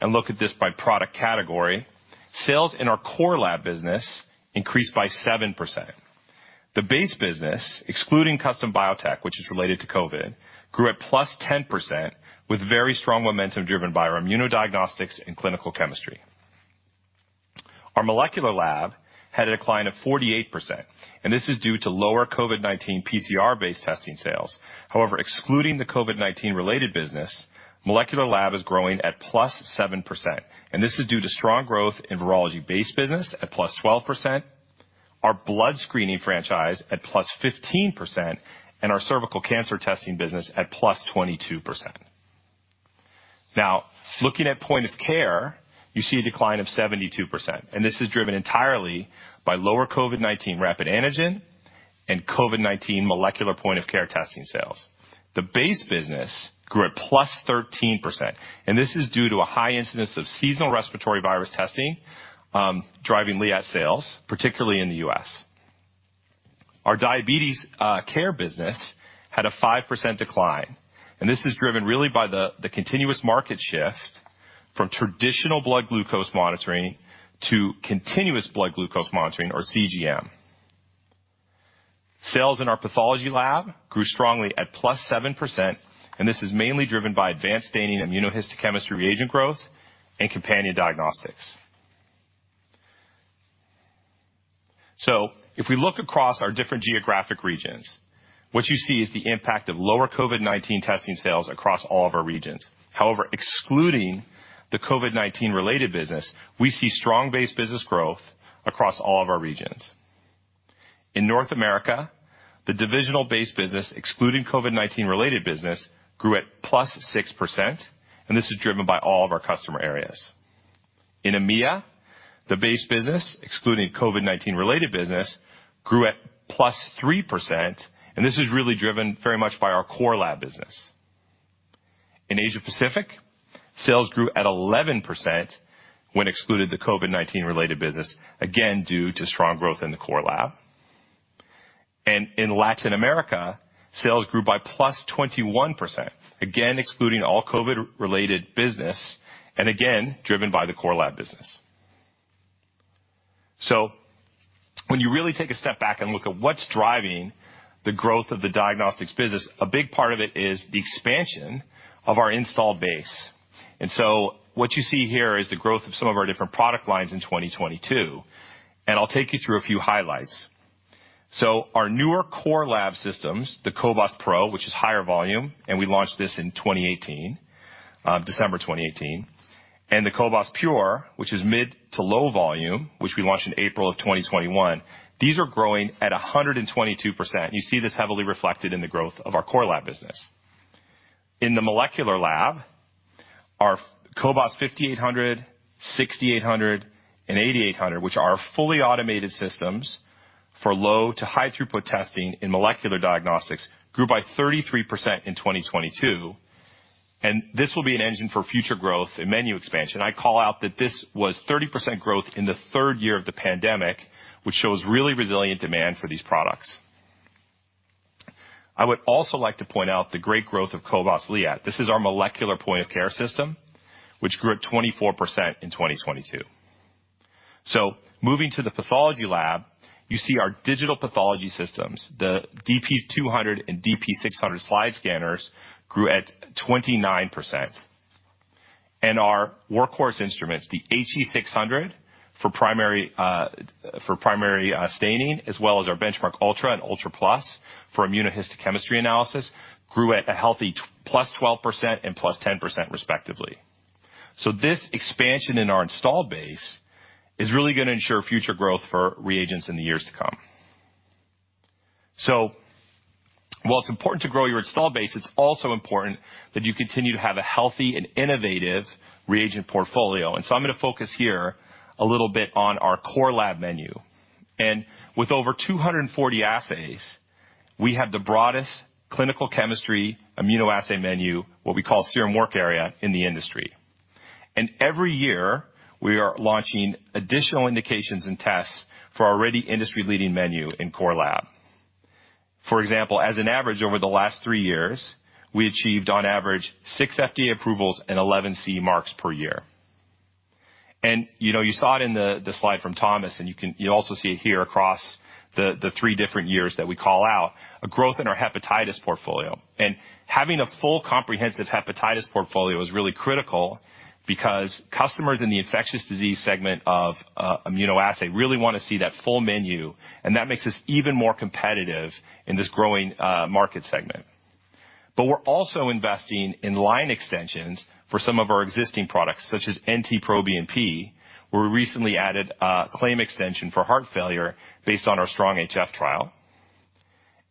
Speaker 5: and look at this by product category, sales in our core lab business increased by 7%. The base business, excluding CustomBiotech, which is related to COVID, grew at +10% with very strong momentum driven by our immunodiagnostics and clinical chemistry. Our molecular lab had a decline of 48%. This is due to lower COVID-19 PCR-based testing sales. However, excluding the COVID-19 related business, molecular lab is growing at +7%. This is due to strong growth in virology base business at +12%, our blood screening franchise at +15%, and our cervical cancer testing business at +22%. Now, looking at point of care, you see a decline of 72%. This is driven entirely by lower COVID-19 rapid antigen and COVID-19 molecular point-of-care testing sales. The base business grew at +13%. This is due to a high incidence of seasonal respiratory virus testing, driving cobas liat sales, particularly in the U.S. Our diabetes care business had a 5% decline, and this is driven really by the continuous market shift from traditional blood glucose monitoring to continuous blood glucose monitoring or CGM. Sales in our pathology lab grew strongly at +7%, and this is mainly driven by advanced staining immunohistochemistry reagent growth and companion diagnostics. If we look across our different geographic regions, what you see is the impact of lower COVID-19 testing sales across all of our regions. However, excluding the COVID-19 related business, we see strong base business growth across all of our regions. In North America, the divisional base business, excluding COVID-19 related business, grew at +6%, and this is driven by all of our customer areas. In EMEA, the base business, excluding COVID-19 related business, grew at +3%, and this is really driven very much by our core lab business. In Asia Pacific, sales grew at 11% when excluded the COVID-19 related business, again due to strong growth in the core lab. In Latin America, sales grew by +21%, again excluding all COVID-19 related business and again driven by the core lab business. When you really take a step back and look at what's driving the growth of the diagnostics business, a big part of it is the expansion of our installed base. What you see here is the growth of some of our different product lines in 2022. I'll take you through a few highlights. Our newer core lab systems, the cobas pro, which is higher volume, and we launched this in 2018, December 2018, and the cobas pure, which is mid-to-low volume, which we launched in April 2021. These are growing at 122%. You see this heavily reflected in the growth of our core lab business. In the molecular lab, our cobas 5800, 6800, and 8800, which are our fully automated systems for low-to-high throughput testing in molecular diagnostics, grew by 33% in 2022. This will be an engine for future growth and menu expansion. I call out that this was 30% growth in the 3rd year of the pandemic, which shows really resilient demand for these products. I would also like to point out the great growth of cobas liat. This is our molecular point of care system, which grew at 24% in 2022. Moving to the pathology lab, you see our digital pathology systems. The VENTANA DP 200 and VENTANA DP 600 slide scanners grew at 29%. Our workhorse instruments, the VENTANA HE 600 for primary staining, as well as our BenchMark ULTRA and BenchMark ULTRA PLUS for immunohistochemistry analysis grew at a healthy +12% and +10% respectively. This expansion in our installed base is really gonna ensure future growth for reagents in the years to come. While it's important to grow your installed base, it's also important that you continue to have a healthy and innovative reagent portfolio. I'm gonna focus here a little bit on our core lab menu. With over 240 assays, we have the broadest clinical chemistry immunoassay menu, what we call Serum Work Area in the industry. Every year, we are launching additional indications and tests for our already industry-leading menu in core lab. For example, as an average over the last three years, we achieved on average 6 FDA approvals and 11 CE marks per year. You know, you saw it in the slide from Thomas, and you also see it here across the three different years that we call out a growth in our hepatitis portfolio. Having a full comprehensive hepatitis portfolio is really critical because customers in the infectious disease segment of immunoassay really wanna see that full menu, and that makes us even more competitive in this growing market segment. We're also investing in line extensions for some of our existing products, such as NT-proBNP, where we recently added a claim extension for heart failure based on our strong HF trial.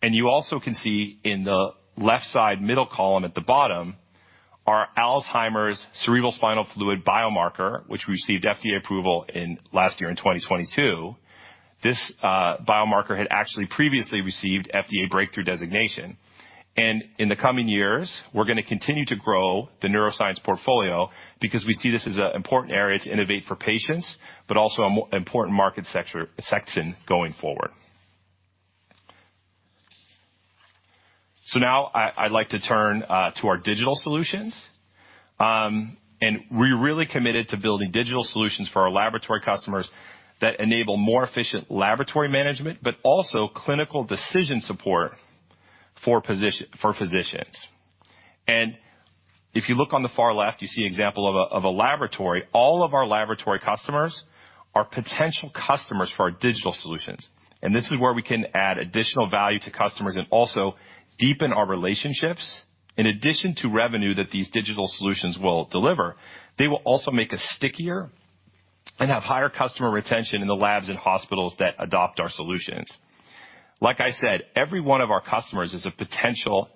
Speaker 5: You also can see in the left side middle column at the bottom, our Alzheimer's cerebrospinal fluid biomarker, which we received FDA approval in last year in 2022. This biomarker had actually previously received FDA breakthrough designation. In the coming years, we're gonna continue to grow the neuroscience portfolio because we see this as an important area to innovate for patients, but also an important market section going forward. Now I'd like to turn to our digital solutions. We're really committed to building digital solutions for our laboratory customers that enable more efficient laboratory management, but also clinical decision support for physicians. If you look on the far left, you see an example of a laboratory. All of our laboratory customers are potential customers for our digital solutions, and this is where we can add additional value to customers and also deepen our relationships. In addition to revenue that these digital solutions will deliver, they will also make us stickier and have higher customer retention in the labs and hospitals that adopt our solutions. Like I said, every one of our customers is a potential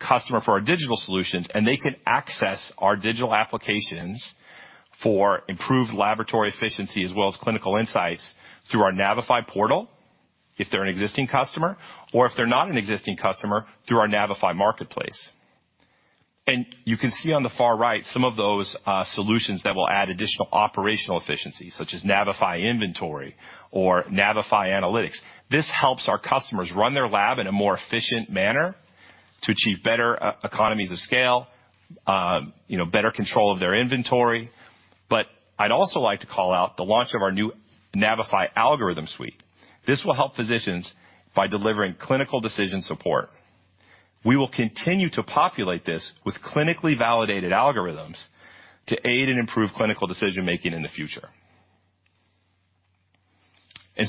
Speaker 5: customer for our digital solutions, and they can access our digital applications for improved laboratory efficiency as well as clinical insights through our navify portal if they're an existing customer, or if they're not an existing customer, through our navify Marketplace. You can see on the far right some of those solutions that will add additional operational efficiencies, such as navify Inventory or navify Analytics. This helps our customers run their lab in a more efficient manner to achieve better economies of scale, you know, better control of their inventory. I'd also like to call out the launch of our new navify Algorithm Suite. This will help physicians by delivering clinical decision support. We will continue to populate this with clinically validated algorithms to aid and improve clinical decision-making in the future. You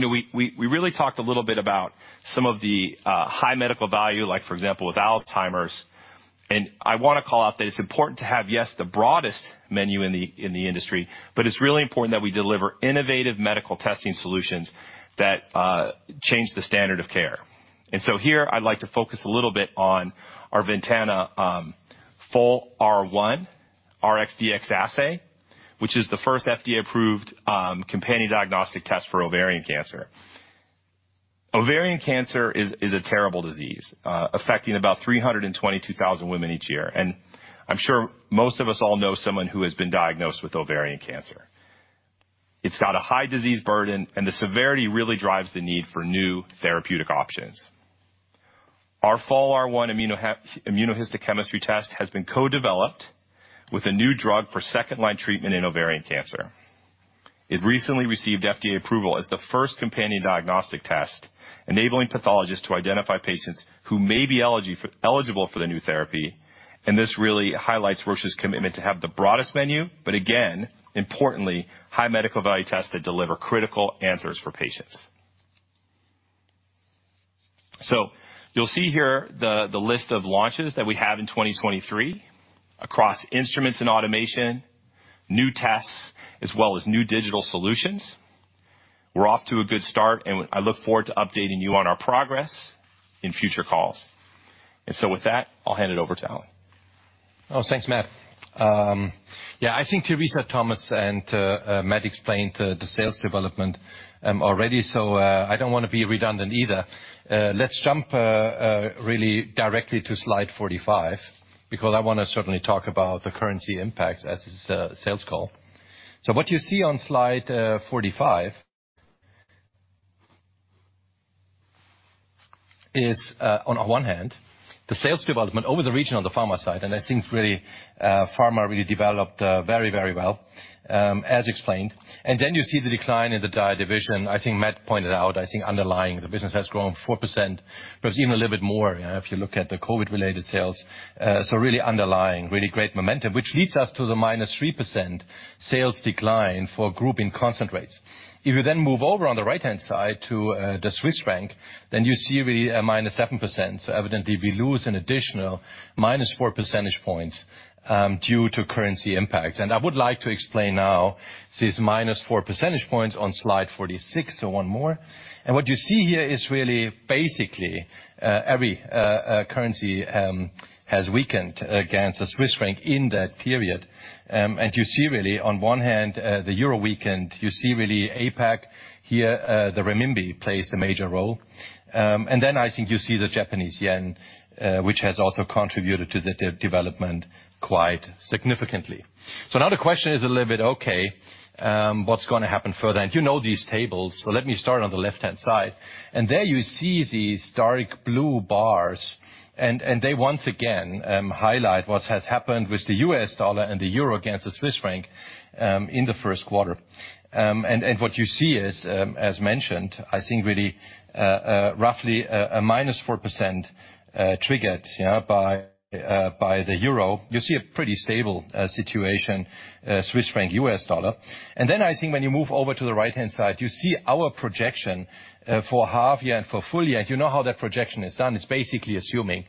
Speaker 5: know, we really talked a little bit about some of the high medical value, like for example, with Alzheimer's. I wanna call out that it's important to have, yes, the broadest menu in the industry, but it's really important that we deliver innovative medical testing solutions that change the standard of care. Here I'd like to focus a little bit on our VENTANA FOLR1 RxDx assay, which is the first FDA-approved companion diagnostic test for ovarian cancer. Ovarian cancer is a terrible disease, affecting about 322,000 women each year. I'm sure most of us all know someone who has been diagnosed with ovarian cancer. It's got a high disease burden, the severity really drives the need for new therapeutic options. Our FOLR1 immunohistochemistry test has been co-developed with a new drug for second-line treatment in ovarian cancer. It recently received FDA approval as the first companion diagnostic test, enabling pathologists to identify patients who may be eligible for the new therapy. This really highlights Roche's commitment to have the broadest menu, but again, importantly, high medical value tests that deliver critical answers for patients. You'll see here the list of launches that we have in 2023 across instruments and automation, new tests, as well as new digital solutions. We're off to a good start, and I look forward to updating you on our progress in future calls. With that, I'll hand it over to Alan.
Speaker 6: Thanks, Matt. I think Teresa, Thomas, and Matt explained the sales development already. I don't wanna be redundant either. Let's jump really directly to slide 45 because I wanna certainly talk about the currency impacts as this is a sales call. What you see on slide 45 is on one hand, the sales development over the region on the pharma side. I think really pharma really developed very, very well as explained. You see the decline in the Dia division. I think Matt pointed out, I think underlying the business has grown 4%, perhaps even a little bit more, you know, if you look at the COVID-related sales. Really underlying, really great momentum, which leads us to the minus 3% sales decline for group in constant rates. If you then move over on the right-hand side to the Swiss franc, you see really a -7%. Evidently we lose an additional -4 percentage points due to currency impacts. I would like to explain now this -4 percentage points on slide 46. One more. What you see here is really basically every currency has weakened against the Swiss franc in that period. You see really on one hand the euro weakened. You see really APAC here, the renminbi plays a major role. Then I think you see the Japanese yen which has also contributed to the development quite significantly. Now the question is a little bit, okay, what's gonna happen further? You know these tables. Let me start on the left-hand side. There you see these dark blue bars, and they once again, highlight what has happened with the U.S. dollar and the euro against the Swiss franc in the first quarter. What you see is, as mentioned, I think really, roughly a minus 4%, triggered, you know, by the euro. You see a pretty stable situation, Swiss franc, U.S. dollar. Then I think when you move over to the right-hand side, you see our projection for half year and for full year. You know how that projection is done. It's basically assuming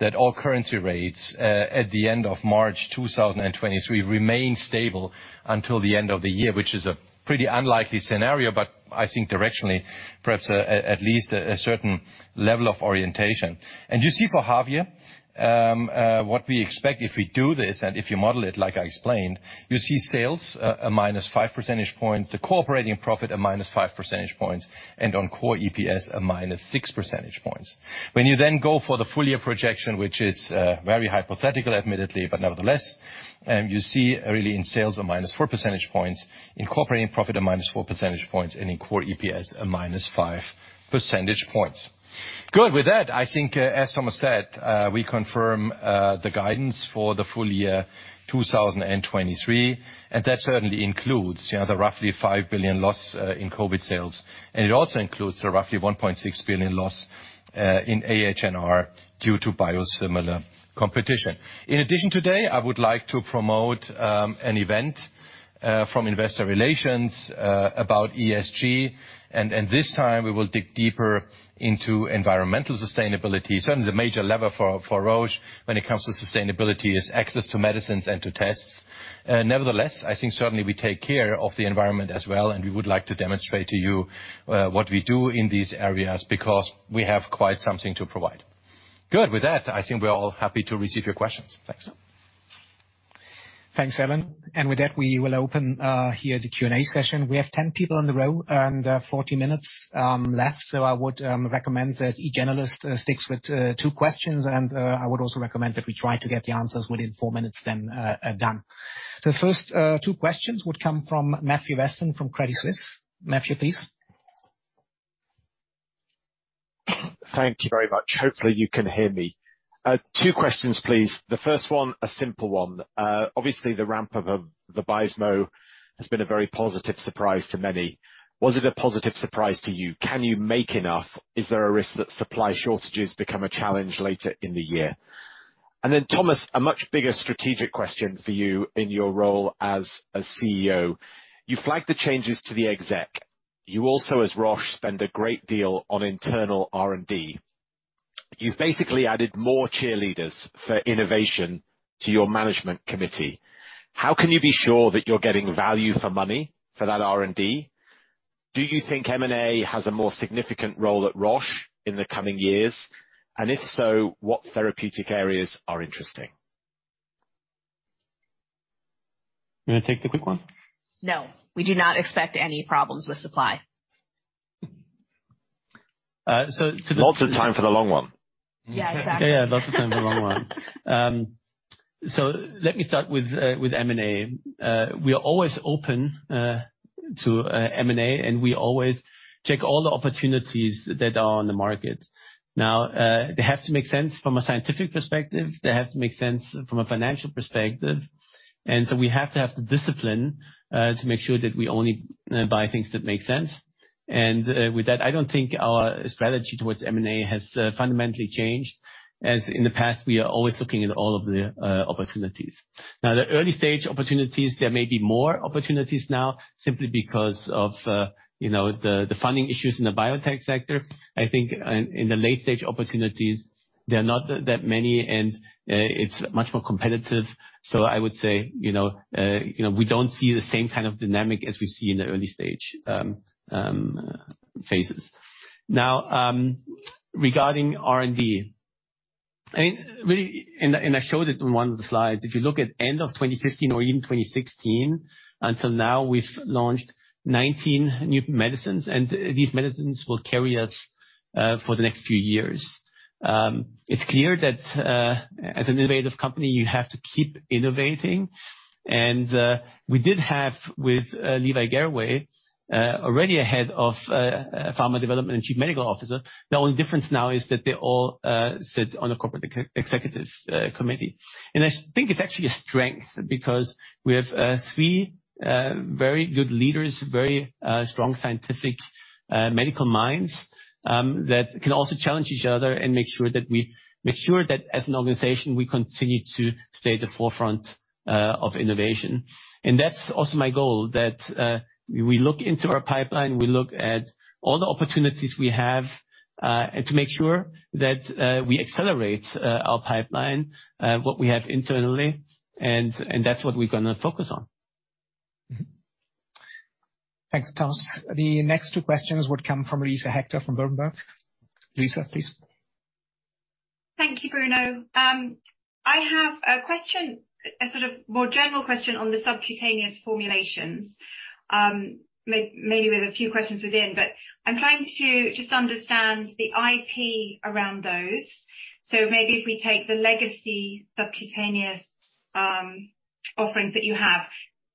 Speaker 6: that all currency rates at the end of March 2023 remain stable until the end of the year, which is a pretty unlikely scenario, but I think directionally, perhaps, at least a certain level of orientation. You see for half year, what we expect if we do this and if you model it like I explained, you see sales -5 percentage points, the core operating profit at -5 percentage points, and on core EPS, at -6 percentage points. You then go for the full year projection, which is very hypothetical admittedly, but nevertheless, you see really in sales at -4 percentage points, in core operating profit at -4 percentage points, and in core EPS at -5 percentage points. Good. With that, I think, as Thomas said, we confirm the guidance for the full year 2023, and that certainly includes, you know, the roughly 5 billion loss in COVID sales. It also includes the roughly 1.6 billion loss in AHR due to biosimilar competition. In addition, today, I would like to promote an event from investor relations about ESG, and this time we will dig deeper into environmental sustainability. Certainly, the major lever for Roche when it comes to sustainability is access to medicines and to tests. Nevertheless, I think certainly we take care of the environment as well, and we would like to demonstrate to you what we do in these areas because we have quite something to provide. Good. With that, I think we're all happy to receive your questions. Thanks.
Speaker 2: Thanks, Alan. With that, we will open here the Q&A session. We have 10 people in the row and 40 minutes left. I would recommend that each analyst sticks with 2 questions. I would also recommend that we try to get the answers within 4 minutes. Done. The first 2 questions would come from Matthew Weston from Credit Suisse. Matthew, please.
Speaker 7: Thank you very much. Hopefully, you can hear me. 2 questions, please. The first one, a simple one. Obviously, the ramp up of the Vabysmo has been a very positive surprise to many. Was it a positive surprise to you? Can you make enough? Is there a risk that supply shortages become a challenge later in the year? Thomas, a much bigger strategic question for you in your role as a CEO. You flagged the changes to the exec. You also, as Roche, spend a great deal on internal R&D. You've basically added more cheerleaders for innovation to your management committee. How can you be sure that you're getting value for money for that R&D? Do you think M&A has a more significant role at Roche in the coming years? If so, what therapeutic areas are interesting?
Speaker 3: You wanna take the quick one?
Speaker 4: No. We do not expect any problems with supply.
Speaker 7: Uh, so to- Lots of time for the long one.
Speaker 4: Yeah, exactly.
Speaker 3: Yeah, lots of time for the long one. Let me start with M&A. We are always open to M&A, and we always check all the opportunities that are on the market. Now, they have to make sense from a scientific perspective. They have to make sense from a financial perspective. We have to have the discipline to make sure that we only buy things that make sense. With that, I don't think our strategy towards M&A has fundamentally changed, as in the past we are always looking at all of the opportunities. Now, the early-stage opportunities, there may be more opportunities now simply because of, you know, the funding issues in the biotech sector. I think in the late stage opportunities, there are not that many. It's much more competitive. I would say, you know, we don't see the same kind of dynamic as we see in the early stage phases. Now, regarding R&D, really, and I showed it in one of the slides, if you look at end of 2015 or even 2016 until now, we've launched 19 new medicines. These medicines will carry us for the next few years. It's clear that as an innovative company, you have to keep innovating. We did have with Levi Garraway already a head of pharma development and chief medical officer. The only difference now is that they all sit on a Corporate Executive Committee. I think it's actually a strength because we have three very good leaders, very strong scientific medical minds that can also challenge each other and make sure that as an organization, we continue to stay at the forefront of innovation. That's also my goal, that we look into our pipeline, we look at all the opportunities we have to make sure that we accelerate our pipeline what we have internally. That's what we're gonna focus on.
Speaker 2: Thanks, Thomas. The next two questions would come from Luisa Hector from Berenberg. Lisa, please.
Speaker 8: Thank you, Bruno. I have a question, a sort of more general question on the subcutaneous formulations, maybe with a few questions within, but I'm trying to just understand the IP around those. Maybe if we take the legacy subcutaneous offerings that you have,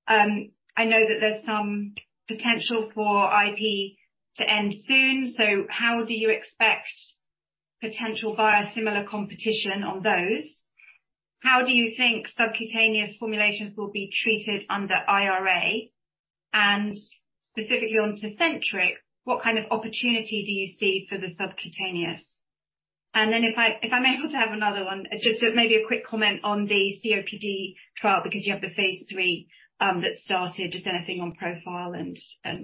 Speaker 8: I know that there's some potential for IP to end soon, so how do you expect potential biosimilar competition on those? How do you think subcutaneous formulations will be treated under IRA? Specifically on Tecentriq, what kind of opportunity do you see for the subcutaneous? If I, if I'm able to have another one, just maybe a quick comment on the COPD trial because you have the phase three that started. Just anything on profile and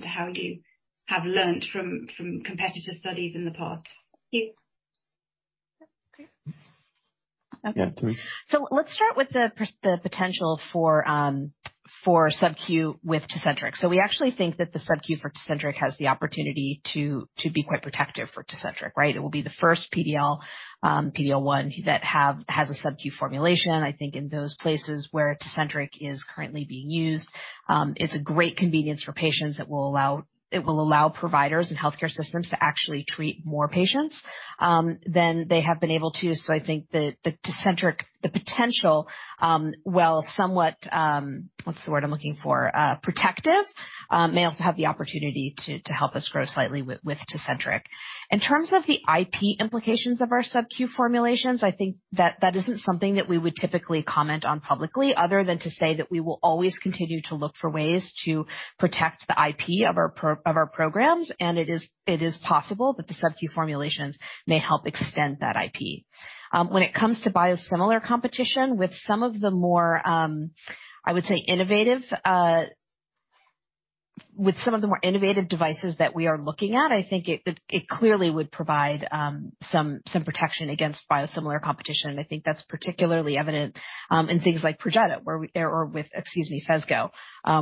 Speaker 8: how you have learnt from competitive studies in the past. Thank you.
Speaker 3: Yeah, [Tere]
Speaker 4: Let's start with the potential for subQ with Tecentriq. We actually think that the subQ for Tecentriq has the opportunity to be quite protective for Tecentriq, right? It will be the first PD-L1 that has a subQ formulation. I think in those places where Tecentriq is currently being used, it's a great convenience for patients. It will allow providers and healthcare systems to actually treat more patients than they have been able to. I think the Tecentriq potential, while somewhat, what's the word I'm looking for, protective, may also have the opportunity to help us grow slightly with Tecentriq. In terms of the IP implications of our subQ formulations, I think that that isn't something that we would typically comment on publicly other than to say that we will always continue to look for ways to protect the IP of our programs, and it is possible that the subQ formulations may help extend that IP. When it comes to biosimilar competition, with some of the more, I would say, innovative, with some of the more innovative devices that we are looking at, I think it clearly would provide some protection against biosimilar competition, and I think that's particularly evident in things like Perjeta or, excuse me, Phesgo,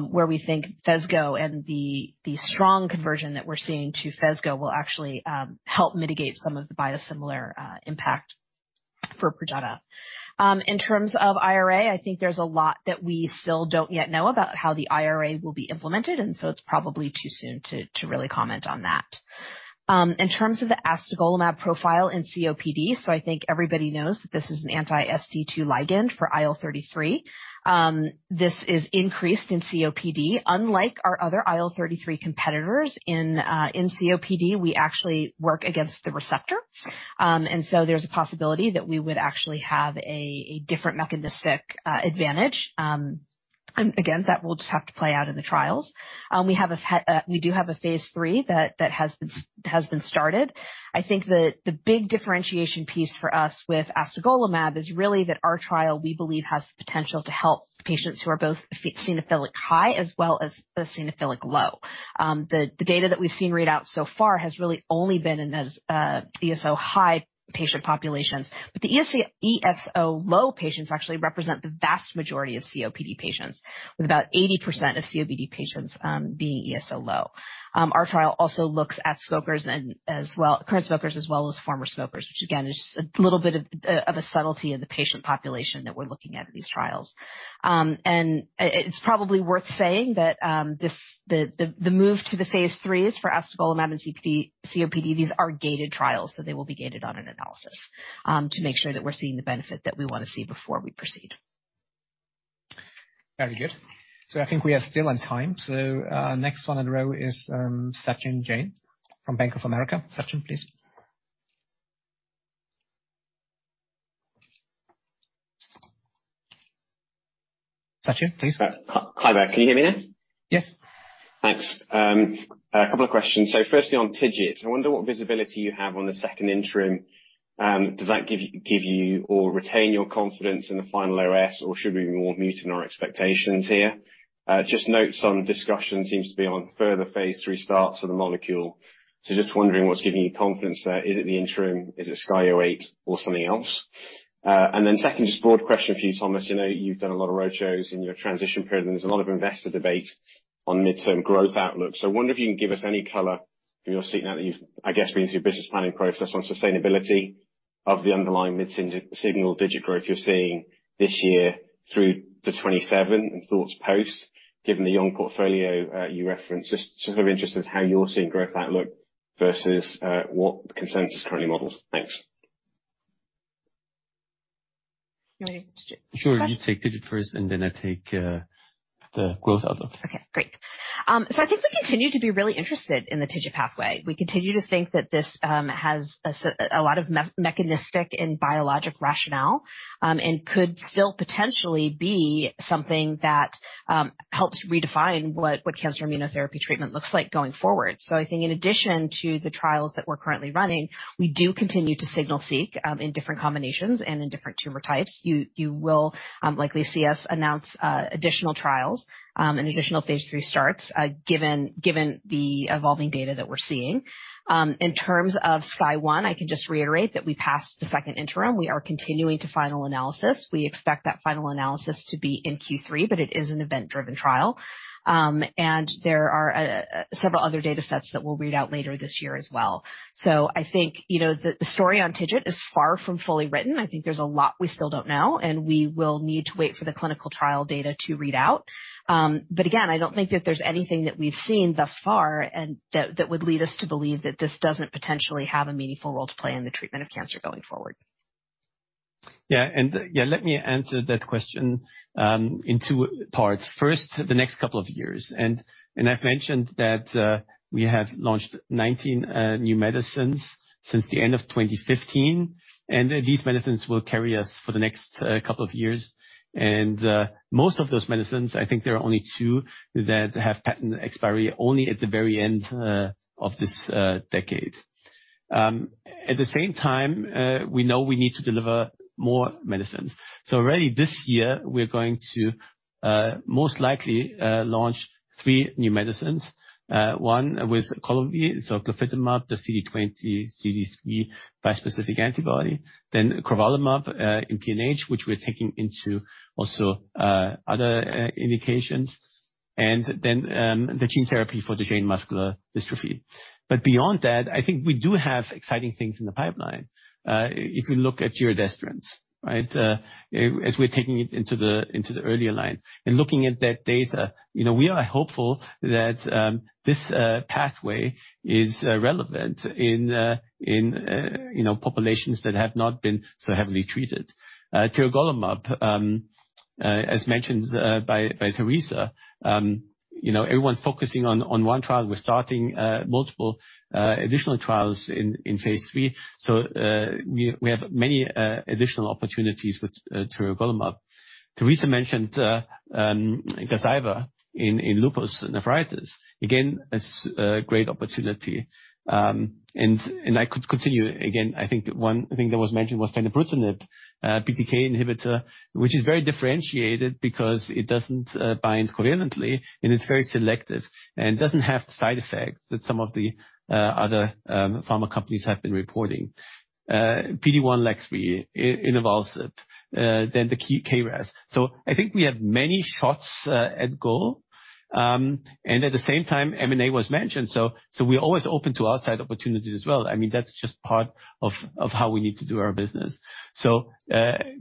Speaker 4: where we think Phesgo and the strong conversion that we're seeing to Phesgo will actually help mitigate some of the biosimilar impact for Perjeta. In terms of IRA, I think there's a lot that we still don't yet know about how the IRA will be implemented, it's probably too soon to really comment on that. In terms of the astegolimab profile in COPD, I think everybody knows that this is an anti-ST2 ligand for IL-33. This is increased in COPD. Unlike our other IL-33 competitors in COPD, we actually work against the receptor. There's a possibility that we would actually have a different mechanistic advantage. Again, that will just have to play out in the trials. We do have a phase 3 that has been started. I think that the big differentiation piece for us with astegolimab is really that our trial, we believe, has the potential to help patients who are both e-eosinophilic high as well as eosinophilic low. The data that we've seen read out so far has really only been in ESO high patient populations. The ESO low patients actually represent the vast majority of COPD patients, with about 80% of COPD patients, being ESO low. Our trial also looks at smokers current smokers as well as former smokers, which again is just a little bit of a subtlety in the patient population that we're looking at in these trials. It's probably worth saying that the move to the phase 3s for astegolimab and COPD, these are gated trials. They will be gated on an analysis to make sure that we're seeing the benefit that we wanna see before we proceed.
Speaker 2: Very good. I think we are still on time. Next one in a row is Sachin Jain from Bank of America. Sachin, please.
Speaker 9: Hi there. Can you hear me?
Speaker 2: Yes.
Speaker 9: Thanks. A couple of questions. Firstly on TIGIT, I wonder what visibility you have on the second interim. Does that give you or retain your confidence in the final OS or should we be more muting our expectations here? Just note some discussion seems to be on further phase three starts for the molecule. Just wondering what's giving you confidence there. Is it the interim? Is it SKY008 or something else? Then second, just broad question for you, Thomas. You know, you've done a lot of roadshows in your transition period, and there's a lot of investor debate on midterm growth outlook. I wonder if you can give us any color from your seat now that you've, I guess, been through your business planning process on sustainability of the underlying mid-single digit growth you're seeing this year through to 2027 and thoughts post, given the young portfolio you referenced. Just sort of interested how you're seeing growth outlook versus what consensus currently models. Thanks.
Speaker 3: Sure. You take TIGIT first, and then I take the growth outlook.
Speaker 4: Okay, great. I think we continue to be really interested in the TIGIT pathway. We continue to think that this has a lot of mechanistic and biologic rationale and could still potentially be something that helps redefine what cancer immunotherapy treatment looks like going forward. You will likely see us announce additional trials and additional phase 3 starts given the evolving data that we're seeing. In terms of SKYSCRAPER-01, I can just reiterate that we passed the second interim. We are continuing to final analysis. We expect that final analysis to be in Q3, but it is an event-driven trial. There are several other datasets that we'll read out later this year as well. I think, you know, the story on TIGIT is far from fully written. I think there's a lot we still don't know, and we will need to wait for the clinical trial data to read out. Again, I don't think that there's anything that we've seen thus far that would lead us to believe that this doesn't potentially have a meaningful role to play in the treatment of cancer going forward.
Speaker 3: Yeah. Let me answer that question in 2 parts. First, the next couple of years, I've mentioned that we have launched 19 new medicines since the end of 2015, these medicines will carry us for the next couple of years. Most of those medicines, I think there are only 2 that have patent expiry only at the very end of this decade. At the same time, we know we need to deliver more medicines. Already this year, we're going to most likely launch 3 new medicines. One with Columvi, glofitamab, the CD20, CD3 bispecific antibody, crovalimab in PNH, which we're taking into also other indications, the gene therapy for Duchenne muscular dystrophy. Beyond that, I think we do have exciting things in the pipeline. If we look at your giredestran, right? As we're taking it into the earlier lines and looking at that data, you know, we are hopeful that this pathway is relevant in, you know, populations that have not been so heavily treated. Tiragolumab, as mentioned by Teresa, you know, everyone's focusing on one trial. We're starting multiple additional trials in phase three. We have many additional opportunities with tiragolumab. Teresa mentioned gosaiba in lupus nephritis. Again, it's a great opportunity. And I could continue. I think one thing that was mentioned was fenebrutinib, BTK inhibitor, which is very differentiated because it doesn't bind covalently, and it's very selective and doesn't have the side effects that some of the other pharma companies have been reporting. PD-1, inavolisib, then the KRAS. I think we have many shots at goal. At the same time, M&A was mentioned, so we're always open to outside opportunities as well. I mean, that's just part of how we need to do our business.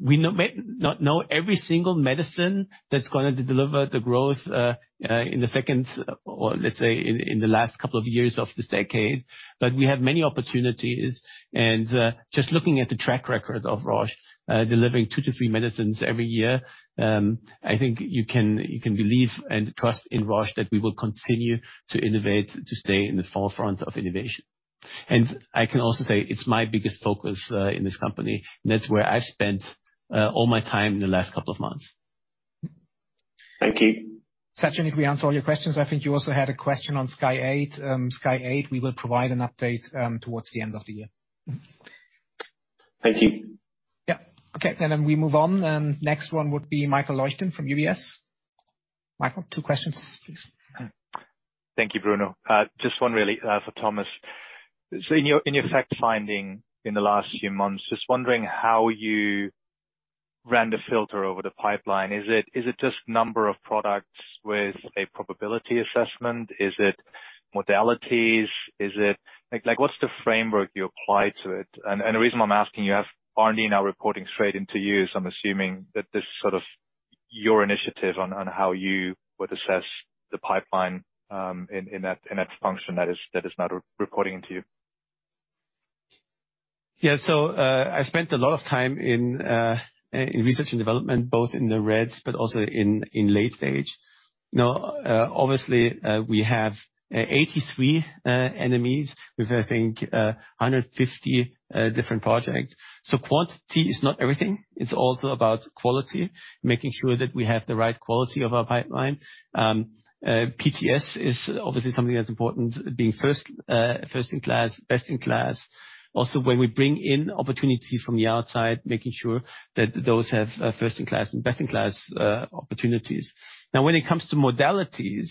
Speaker 3: We may not know every single medicine that's gonna deliver the growth in the second or let's say in the last couple of years of this decade. We have many opportunities and just looking at the track record of Roche, delivering two to three medicines every year, I think you can, you can believe and trust in Roche that we will continue to innovate, to stay in the forefront of innovation. I can also say it's my biggest focus in this company. That's where I've spent all my time in the last couple of months.
Speaker 9: Thank you.
Speaker 2: Sachin, if we answered all your questions, I think you also had a question on SKYSCRAPER-08. SKYSCRAPER-08, we will provide an update towards the end of the year.
Speaker 9: Thank you.
Speaker 2: Yeah. Okay. Then we move on, next one would be Michael Leuchten from UBS. Michael, two questions, please.
Speaker 10: Thank you, Bruno. Just one really for Thomas. In your fact-finding in the last few months, just wondering how you ran the filter over the pipeline. Is it just number of products with a probability assessment? Is it modalities? Like, what's the framework you apply to it? The reason I'm asking, you have R&D now reporting straight into you, I'm assuming that this is sort of your initiative on how you would assess the pipeline in that function that is now re-reporting to you.
Speaker 3: Yeah. I spent a lot of time in research and development, both in the reds but also in late stage. Now, obviously, we have 83 NMEs with, I think, 150 different projects. Quantity is not everything. It's also about quality, making sure that we have the right quality of our pipeline. PTS is obviously something that's important, being first in class, best in class. Also, when we bring in opportunities from the outside, making sure that those have first in class and best in class opportunities. Now, when it comes to modalities,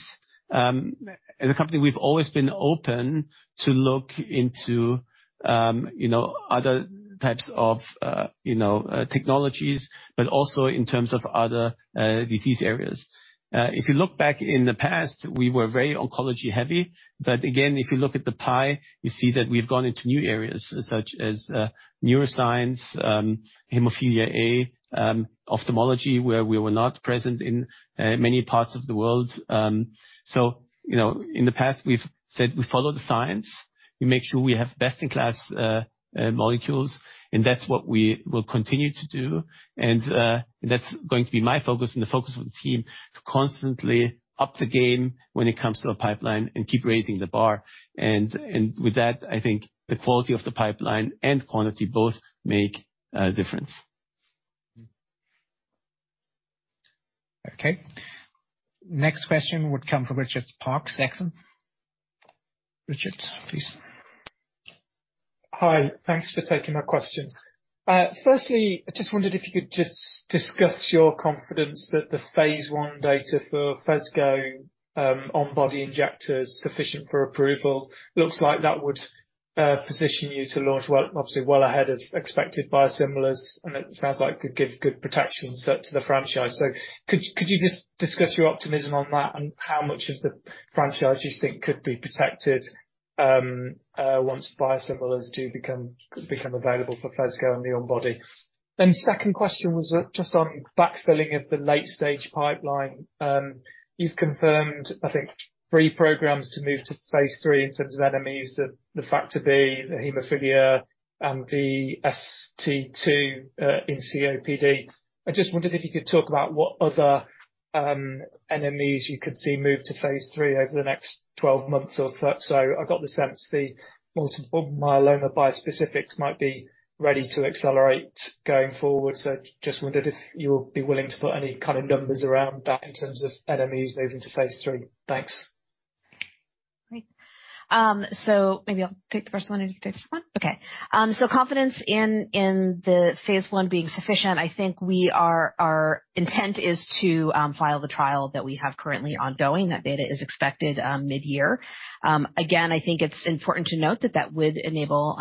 Speaker 3: as a company, we've always been open to look into, you know, other types of, you know, technologies, but also in terms of other disease areas. If you look back in the past, we were very oncology-heavy. Again, if you look at the pie, you see that we've gone into new areas such as neuroscience, hemophilia A, ophthalmology, where we were not present in many parts of the world. You know, in the past, we've said we follow the science. We make sure we have best-in-class molecules, and that's what we will continue to do. That's going to be my focus and the focus of the team, to constantly up the game when it comes to the pipeline and keep raising the bar. With that, I think the quality of the pipeline and quantity both make a difference. Okay. Next question would come from Richard Parkes, Exane. Richard, please.
Speaker 11: Hi. Thanks for taking my questions. Firstly, I just wondered if you could just discuss your confidence that the phase I data for Phesgo on body injectors sufficient for approval. Looks like that would position you to launch well, obviously well ahead of expected biosimilars, and it sounds like could give good protection set to the franchise. Could you just discuss your optimism on that and how much of the franchise you think could be protected once biosimilars do become available for Phesgo and the on body. Second question was just on backfilling of the late stage pipeline. You've confirmed, I think, three programs to move to phase III in terms of NMEs, the Factor B, the hemophilia, and the ST2 in COPD. I just wondered if you could talk about what other NMEs you could see move to phase III over the next 12 months or so. I got the sense the multiple myeloma bispecifics might be ready to accelerate going forward. Just wondered if you'll be willing to put any kind of numbers around that in terms of NMEs moving to phase III. Thanks.
Speaker 4: Great. Maybe I'll take the first one and you take the second one. Okay. Confidence in the phase I being sufficient. I think our intent is to file the trial that we have currently ongoing. That data is expected mid-year. Again, I think it's important to note that that would enable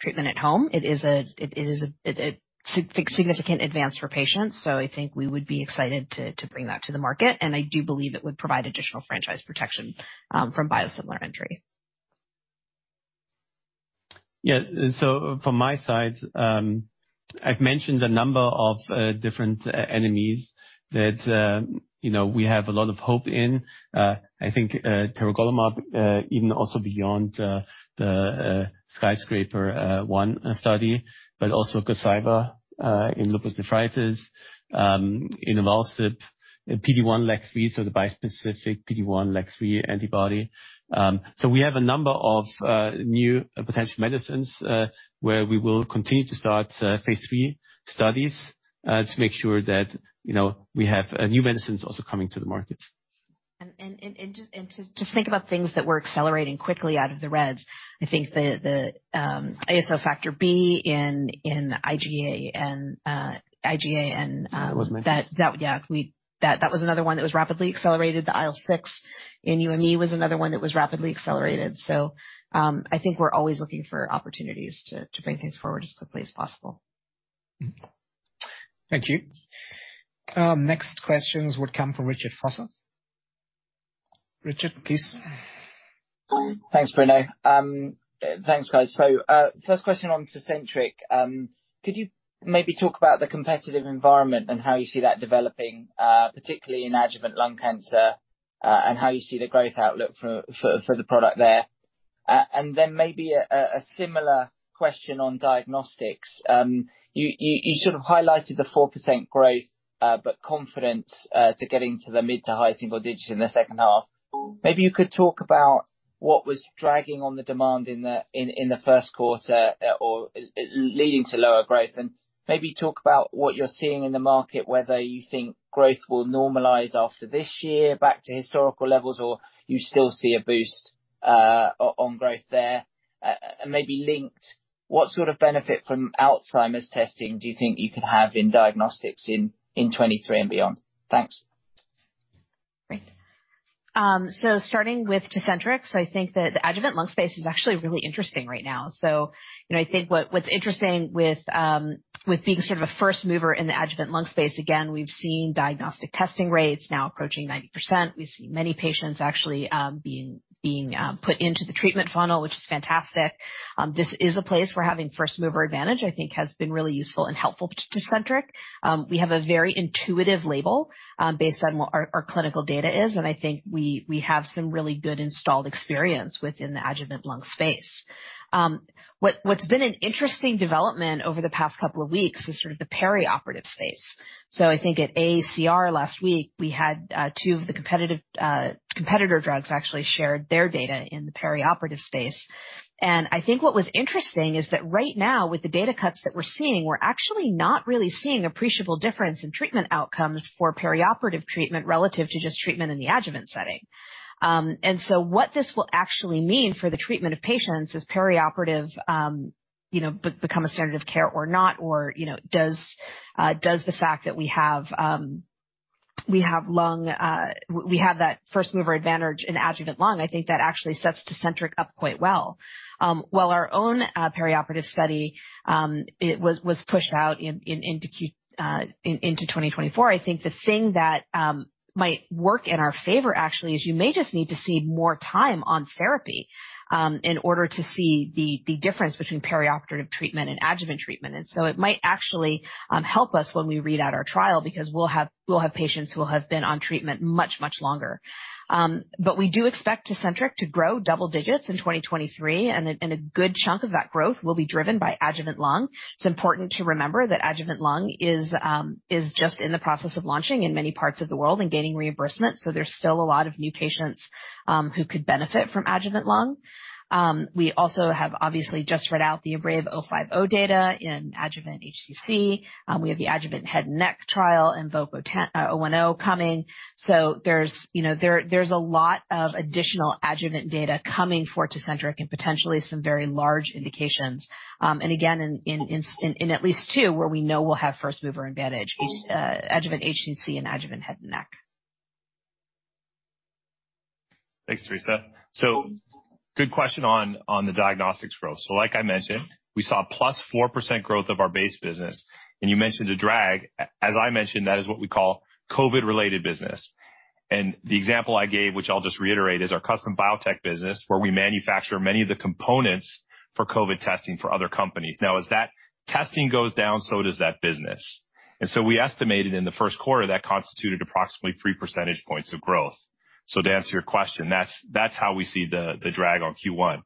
Speaker 4: treatment at home. It is a, it is a significant advance for patients, I think we would be excited to bring that to the market, and I do believe it would provide additional franchise protection from biosimilar entry.
Speaker 3: Yeah. From my side, I've mentioned a number of different e-enemies that, you know, we have a lot of hope in. I think tiragolumab, even also beyond the SKYSCRAPER-01 study, but also Gazyva in lupus nephritis, inavolisib, PD-1/LAG-3, so the bispecific PD-1/LAG-3 antibody. We have a number of new potential medicines where we will continue to start phase III studies to make sure that, you know, we have new medicines also coming to the market.
Speaker 4: Just to think about things that we're accelerating quickly out of gRED, I think the complement Factor B in IgA. That, yeah. That was another one that was rapidly accelerated. The IL-6 in UME was another one that was rapidly accelerated. I think we're always looking for opportunities to bring things forward as quickly as possible.
Speaker 2: Thank you. Next questions would come from Richard Vosser. Richard, please.
Speaker 12: Thanks, Bruno. Thanks, guys. First question on Tecentriq. Could you maybe talk about the competitive environment and how you see that developing, particularly in adjuvant lung cancer, and how you see the growth outlook for the product there? Then maybe a similar question on diagnostics. You sort of highlighted the 4% growth, but confidence to getting to the mid to high single digits in the second half. Maybe you could talk about what was dragging on the demand in the first quarter, or leading to lower growth. Maybe talk about what you're seeing in the market, whether you think growth will normalize after this year back to historical levels, or you still see a boost on growth there. Maybe linked, what sort of benefit from Alzheimer's testing do you think you could have in diagnostics in 2023 and beyond? Thanks.
Speaker 4: Great. Starting with Tecentriq, so I think that the adjuvant lung space is actually really interesting right now. You know, I think what's interesting with being sort of a first mover in the adjuvant lung space, again, we've seen diagnostic testing rates now approaching 90%. We see many patients actually being put into the treatment funnel, which is fantastic. This is a place where having first mover advantage I think has been really useful and helpful to Tecentriq. We have a very intuitive label, based on what our clinical data is, and I think we have some really good installed experience within the adjuvant lung space. What's been an interesting development over the past couple of weeks is sort of the perioperative space. I think at AACR last week, we had two of the competitive competitor drugs actually shared their data in the perioperative space. I think what was interesting is that right now, with the data cuts that we're seeing, we're actually not really seeing appreciable difference in treatment outcomes for perioperative treatment relative to just treatment in the adjuvant setting. What this will actually mean for the treatment of patients is perioperative, you know, become a standard of care or not, or, you know, does the fact that we have lung, we have that first mover advantage in adjuvant lung, I think that actually sets Tecentriq up quite well. While our own perioperative study was pushed out into 2024, I think the thing that might work in our favor, actually, is you may just need to see more time on therapy in order to see the difference between perioperative treatment and adjuvant treatment. It might actually help us when we read out our trial because we'll have patients who will have been on treatment much longer. We do expect Tecentriq to grow double digits in 2023, and a good chunk of that growth will be driven by adjuvant lung. It's important to remember that adjuvant lung is just in the process of launching in many parts of the world and gaining reimbursement, there's still a lot of new patients who could benefit from adjuvant lung. We also have obviously just read out the IMbrave050 data in adjuvant HCC. We have the adjuvant head and neck trial in IMvoke010 coming. There's, you know, there's a lot of additional adjuvant data coming for Tecentriq and potentially some very large indications. Again, in at least two where we know we'll have first mover advantage, adjuvant HCC and adjuvant head and neck.
Speaker 3: Thanks, Teresa. Good question on the diagnostics growth. Like I mentioned, we saw +4% growth of our base business. You mentioned a drag. As I mentioned, that is what we call Covid related business. The example I gave, which I'll just reiterate, is our CustomBiotech business, where we manufacture many of the components for Covid testing for other companies. As that testing goes down, so does that business. We estimated in the first quarter that constituted approximately 3 percentage points of growth. To answer your question, that's how we see the drag on Q1.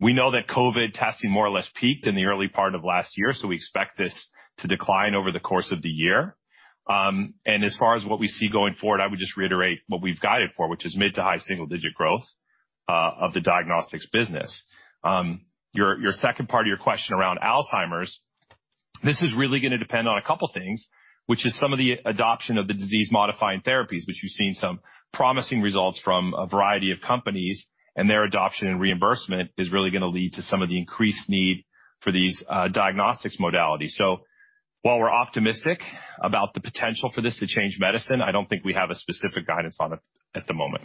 Speaker 3: We know that Covid testing more or less peaked in the early part of last year, so we expect this to decline over the course of the year. As far as what we see going forward, I would just reiterate what we've guided for, which is mid to high single-digit growth of the diagnostics business. Your second part of your question around Alzheimer's, this is really going to depend on a couple things, which is some of the adoption of the disease modifying therapies, which you've seen some promising results from a variety of companies, and their adoption and reimbursement is really going to lead to some of the increased need for these diagnostics modalities. While we're optimistic about the potential for this to change medicine, I don't think we have a specific guidance on it at the moment.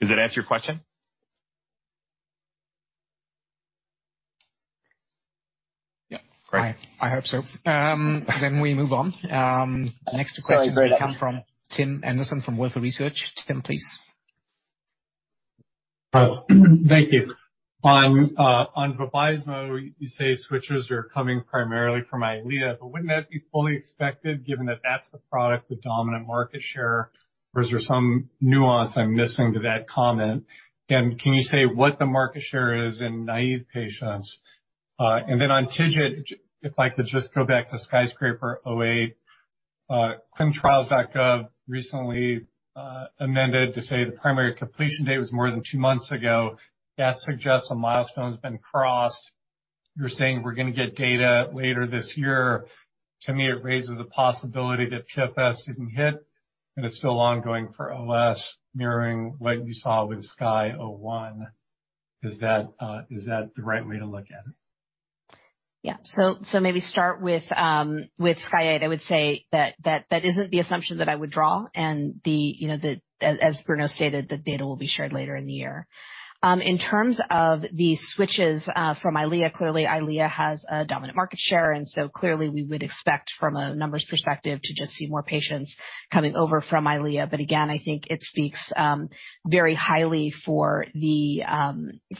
Speaker 3: Does that answer your question?
Speaker 12: Yeah.
Speaker 3: Great.
Speaker 12: I hope so.
Speaker 2: We move on. The next two questions come from Tim Anderson from Wolfe Research. Tim, please.
Speaker 13: Thank you. On Vabysmo, you say switchers are coming primarily from Eylea. Wouldn't that be fully expected, given that that's the product with dominant market share? Is there some nuance I'm missing to that comment? Can you say what the market share is in naive patients? On TIGIT, if I could just go back to SKYSCRAPER-08. ClinicalTrials.gov recently amended to say the primary completion date was more than 2 months ago. That suggests a milestone has been crossed. You're saying we're going to get data later this year. To me, it raises the possibility that chip S didn't hit and it's still ongoing for LS, mirroring what you saw with SKYSCRAPER-01. Is that the right way to look at it?
Speaker 4: Maybe start with Sky-08. I would say that isn't the assumption that I would draw. The, you know, the, as Bruno stated, the data will be shared later in the year. In terms of the switches from Eylea, clearly Eylea has a dominant market share, clearly we would expect from a numbers perspective to just see more patients coming over from Eylea. Again, I think it speaks very highly for the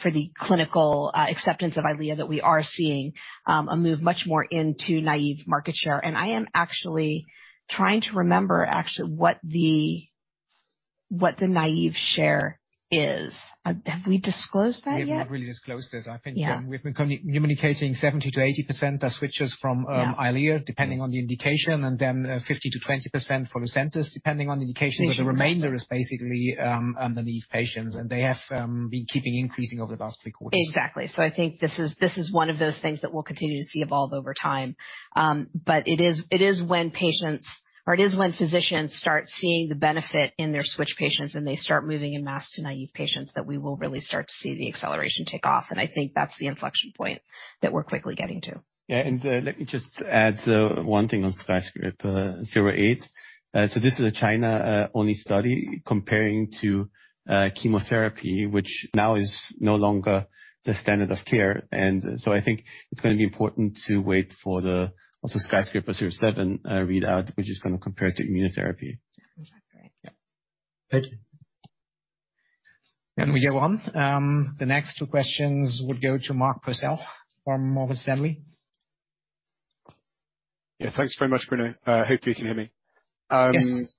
Speaker 4: for the clinical acceptance of Eylea that we are seeing a move much more into naive market share. I am actually trying to remember actually what the, what the naive share is. Have we disclosed that yet?
Speaker 3: We haven't really disclosed it.
Speaker 4: Yeah.
Speaker 3: I think we've been communicating 70%-80% are switchers from.
Speaker 4: Yeah.
Speaker 3: Eylea, depending on the indication, and then 50%-20% for LUCENTIS, depending on the indication.
Speaker 4: Exactly.
Speaker 3: The remainder is basically underneath patients, and they have been keeping increasing over the last three quarters.
Speaker 4: Exactly. I think this is, this is one of those things that we'll continue to see evolve over time. It is, it is when patients or it is when physicians start seeing the benefit in their switch patients and they start moving in mass to naive patients, that we will really start to see the acceleration take off. I think that's the inflection point that we're quickly getting to.
Speaker 3: Yeah. Let me just add one thing on SKYSCRAPER-08. This is a China only study comparing to chemotherapy, which now is no longer the standard of care. I think it's going to be important to wait for the also SKYSCRAPER-07 readout, which is going to compare to immunotherapy.
Speaker 4: Exactly.
Speaker 13: Yeah. Thank you.
Speaker 2: We go on. The next two questions would go to Mark Purcell from Morgan Stanley.
Speaker 14: Yeah, thanks very much, Bruno. Hopefully you can hear me.
Speaker 2: Yes.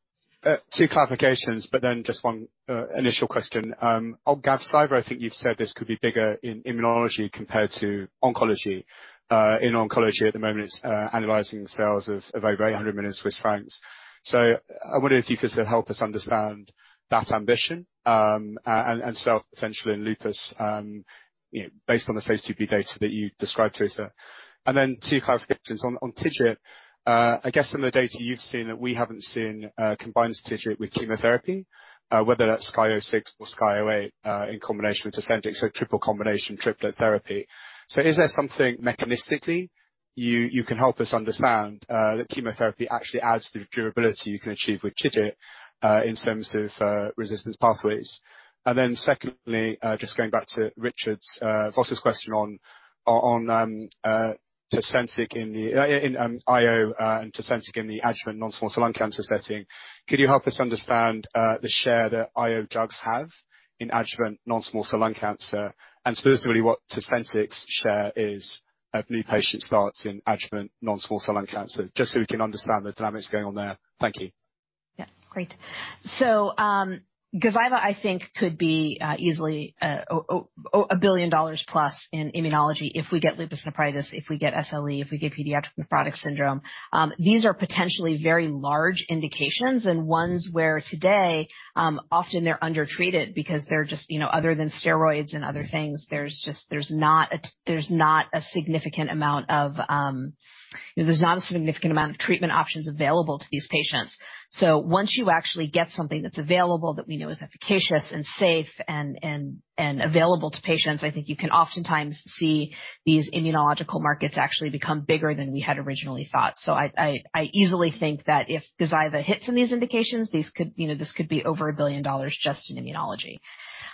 Speaker 14: Two clarifications. Just one initial question. On Gazyva, I think you've said this could be bigger in immunology compared to oncology. In oncology at the moment, it's analyzing sales of over 800 million Swiss francs. I wonder if you could help us understand that ambition, and self potentially in lupus, based on the phase IIb data that you described, Teresa. Two clarifications on TIGIT. I guess in the data you've seen that we haven't seen, combines TIGIT with chemotherapy, whether that's SKYSCRAPER-06 or SKYSCRAPER-08, in combination with Tecentriq. Triple combination, triplet therapy. Is there something mechanistically you can help us understand that chemotherapy actually adds to the durability you can achieve with TIGIT, in terms of resistance pathways? Secondly, just going back to Richard Vosser's question on Tecentriq in the IO and Tecentriq in the adjuvant non-small cell lung cancer setting. Could you help us understand the share that IO drugs have in adjuvant non-small cell lung cancer? Specifically, what Tecentriq's share is of new patient starts in adjuvant non-small cell lung cancer, just so we can understand the dynamics going on there. Thank you.
Speaker 4: Great. Gazyva, I think, could be easily a billion dollars plus in immunology if we get lupus nephritis, if we get SLE, if we get pediatric nephrotic syndrome. These are potentially very large indications and ones where today, often they're undertreated because they're just, you know, other than steroids and other things, there's just not a significant amount of treatment options available to these patients. Once you actually get something that's available that we know is efficacious and safe and available to patients, I think you can oftentimes see these immunological markets actually become bigger than we had originally thought. I easily think that if Gazyva hits in these indications, these could, you know, this could be over $1 billion just in immunology.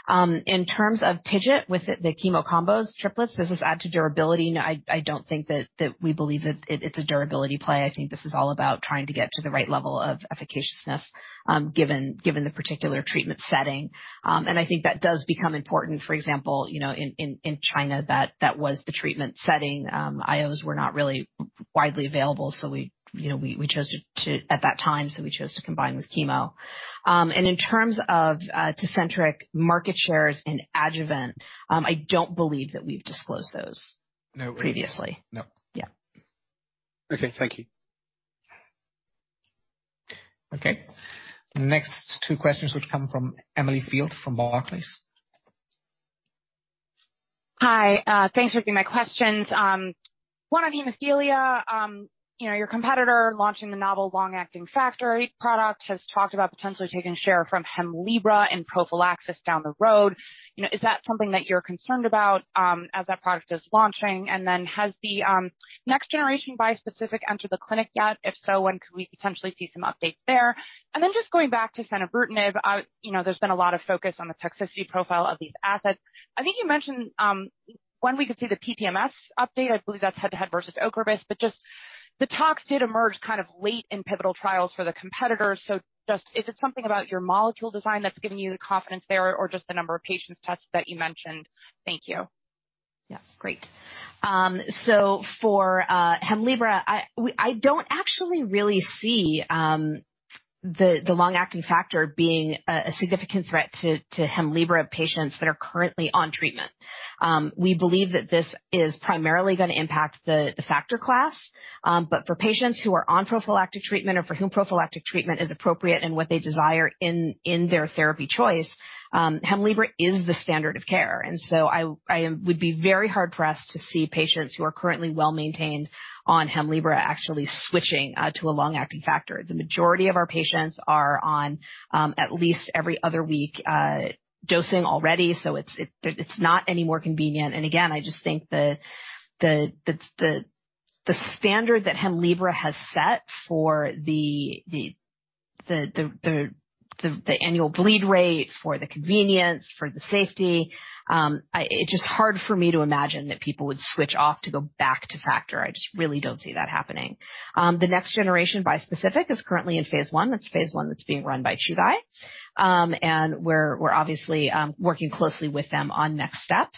Speaker 4: In terms of TIGIT with the chemo combos triplets, does this add to durability? No, I don't think that we believe that it's a durability play. I think this is all about trying to get to the right level of efficaciousness, given the particular treatment setting. I think that does become important. For example, you know, in China that was the treatment setting. IOs were not really widely available, so we, you know, we chose to at that time, so we chose to combine with chemo. In terms of Tecentriq market shares in adjuvant, I don't believe that we've disclosed those.
Speaker 14: No.
Speaker 4: Previously.
Speaker 14: No.
Speaker 4: Yeah.
Speaker 14: Okay. Thank you.
Speaker 2: Okay. Next two questions which come from Emily Field from Barclays.
Speaker 15: Hi. Thanks for taking my questions. One on hemophilia. You know, your competitor launching the novel long-acting factor VIII product has talked about potentially taking share from Hemlibra and prophylaxis down the road. You know, is that something that you're concerned about as that product is launching? Has the next generation bispecific entered the clinic yet? If so, when could we potentially see some updates there? Just going back to fenebrutinib, you know, there's been a lot of focus on the toxicity profile of these assets. I think you mentioned when we could see the PPMS update, I believe that's head-to-head versus Ocrevus, just the talks did emerge kind of late in pivotal trials for the competitors. Just is it something about your molecule design that's giving you the confidence there or just the number of patients tested that you mentioned? Thank you.
Speaker 4: Yeah. Great. I don't actually really see the long-acting factor being a significant threat to Hemlibra patients that are currently on treatment. We believe that this is primarily gonna impact the factor class. For patients who are on prophylactic treatment or for whom prophylactic treatment is appropriate and what they desire in their therapy choice, Hemlibra is the standard of care. I would be very hard-pressed to see patients who are currently well-maintained on Hemlibra actually switching to a long-acting factor. The majority of our patients are on at least every other week dosing already, so it's not any more convenient. Again, I just think the standard that Hemlibra has set for the annual bleed rate, for the convenience, for the safety, It's just hard for me to imagine that people would switch off to go back to factor. I just really don't see that happening. The next generation bispecific is currently in phase 1. That's phase 1 that's being run by Chugai. We're, we're obviously, working closely with them on next steps.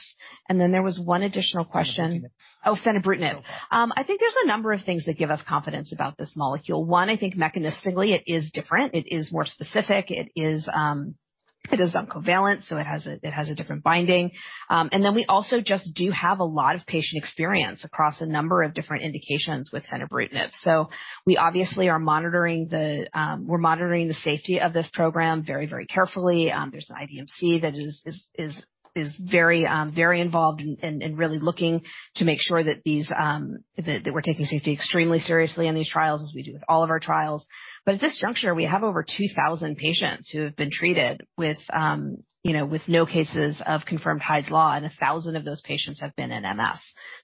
Speaker 4: Then there was one additional question.
Speaker 15: Fenebrutinib.
Speaker 4: Fenebrutinib. I think there's a number of things that give us confidence about this molecule. One, I think mechanistically, it is different. It is more specific. It is uncovalent, so it has a different binding. And then we also just do have a lot of patient experience across a number of different indications with fenebrutinib. We obviously are monitoring the safety of this program very, very carefully. There's an IVDc that is very involved and really looking to make sure that these, that we're taking safety extremely seriously in these trials as we do with all of our trials. At this juncture, we have over 2,000 patients who have been treated with, you know, with no cases of confirmed Hy's Law, and 1,000 of those patients have been in MS.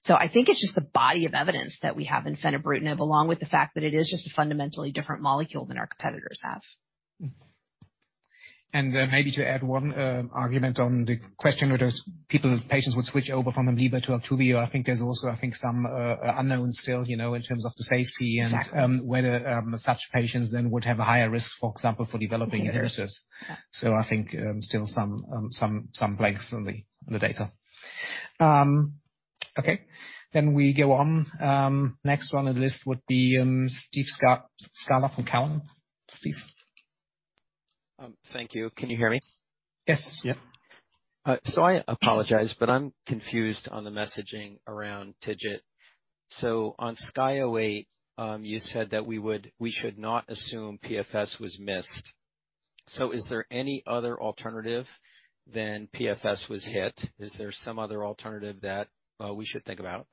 Speaker 4: I think it's just the body of evidence that we have in fenebrutinib, along with the fact that it is just a fundamentally different molecule than our competitors have.
Speaker 3: Maybe to add one argument on the question whether people, patients would switch over from Hemlibra to Altuvio. I think there's also some unknowns still, you know, in terms of the safety-
Speaker 4: Exactly....
Speaker 3: whether such patients then would have a higher risk, for example, for developing viruses.
Speaker 4: Yeah.
Speaker 2: I think, still some blanks in the data. Okay. We go on. Next one on the list would be Steve Scala from Cowen. Steve.
Speaker 16: Thank you. Can you hear me?
Speaker 2: Yes.
Speaker 4: Yeah.
Speaker 16: I apologize, but I'm confused on the messaging around TIGIT. On SKY-08, you said that we would, we should not assume PFS was missed. Is there any other alternative than PFS was hit? Is there some other alternative that we should think about?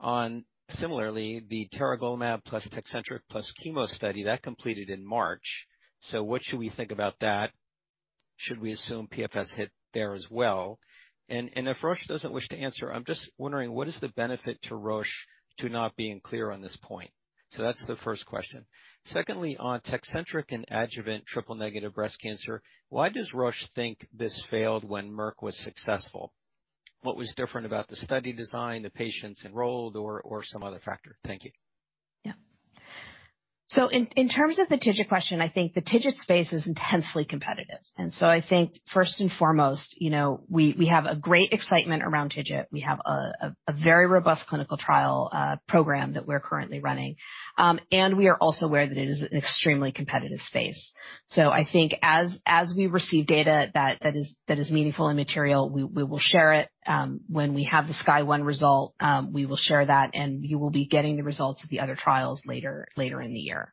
Speaker 16: On similarly, the tiragolumab plus Tecentriq plus chemo study, that completed in March. What should we think about that? Should we assume PFS hit there as well? If Roche doesn't wish to answer, I'm just wondering what is the benefit to Roche to not being clear on this point? That's the first question. Secondly, on Tecentriq and adjuvant triple-negative breast cancer, why does Roche think this failed when Merck was successful? What was different about the study design, the patients enrolled or some other factor? Thank you.
Speaker 4: In terms of the TIGIT question, I think the TIGIT space is intensely competitive. I think first and foremost, you know, we have great excitement around TIGIT. We have a very robust clinical trial program that we're currently running. We are also aware that it is an extremely competitive space. I think as we receive data that is meaningful and material, we will share it. When we have the SKYSCRAPER-01 result, we will share that, and you will be getting the results of the other trials later in the year.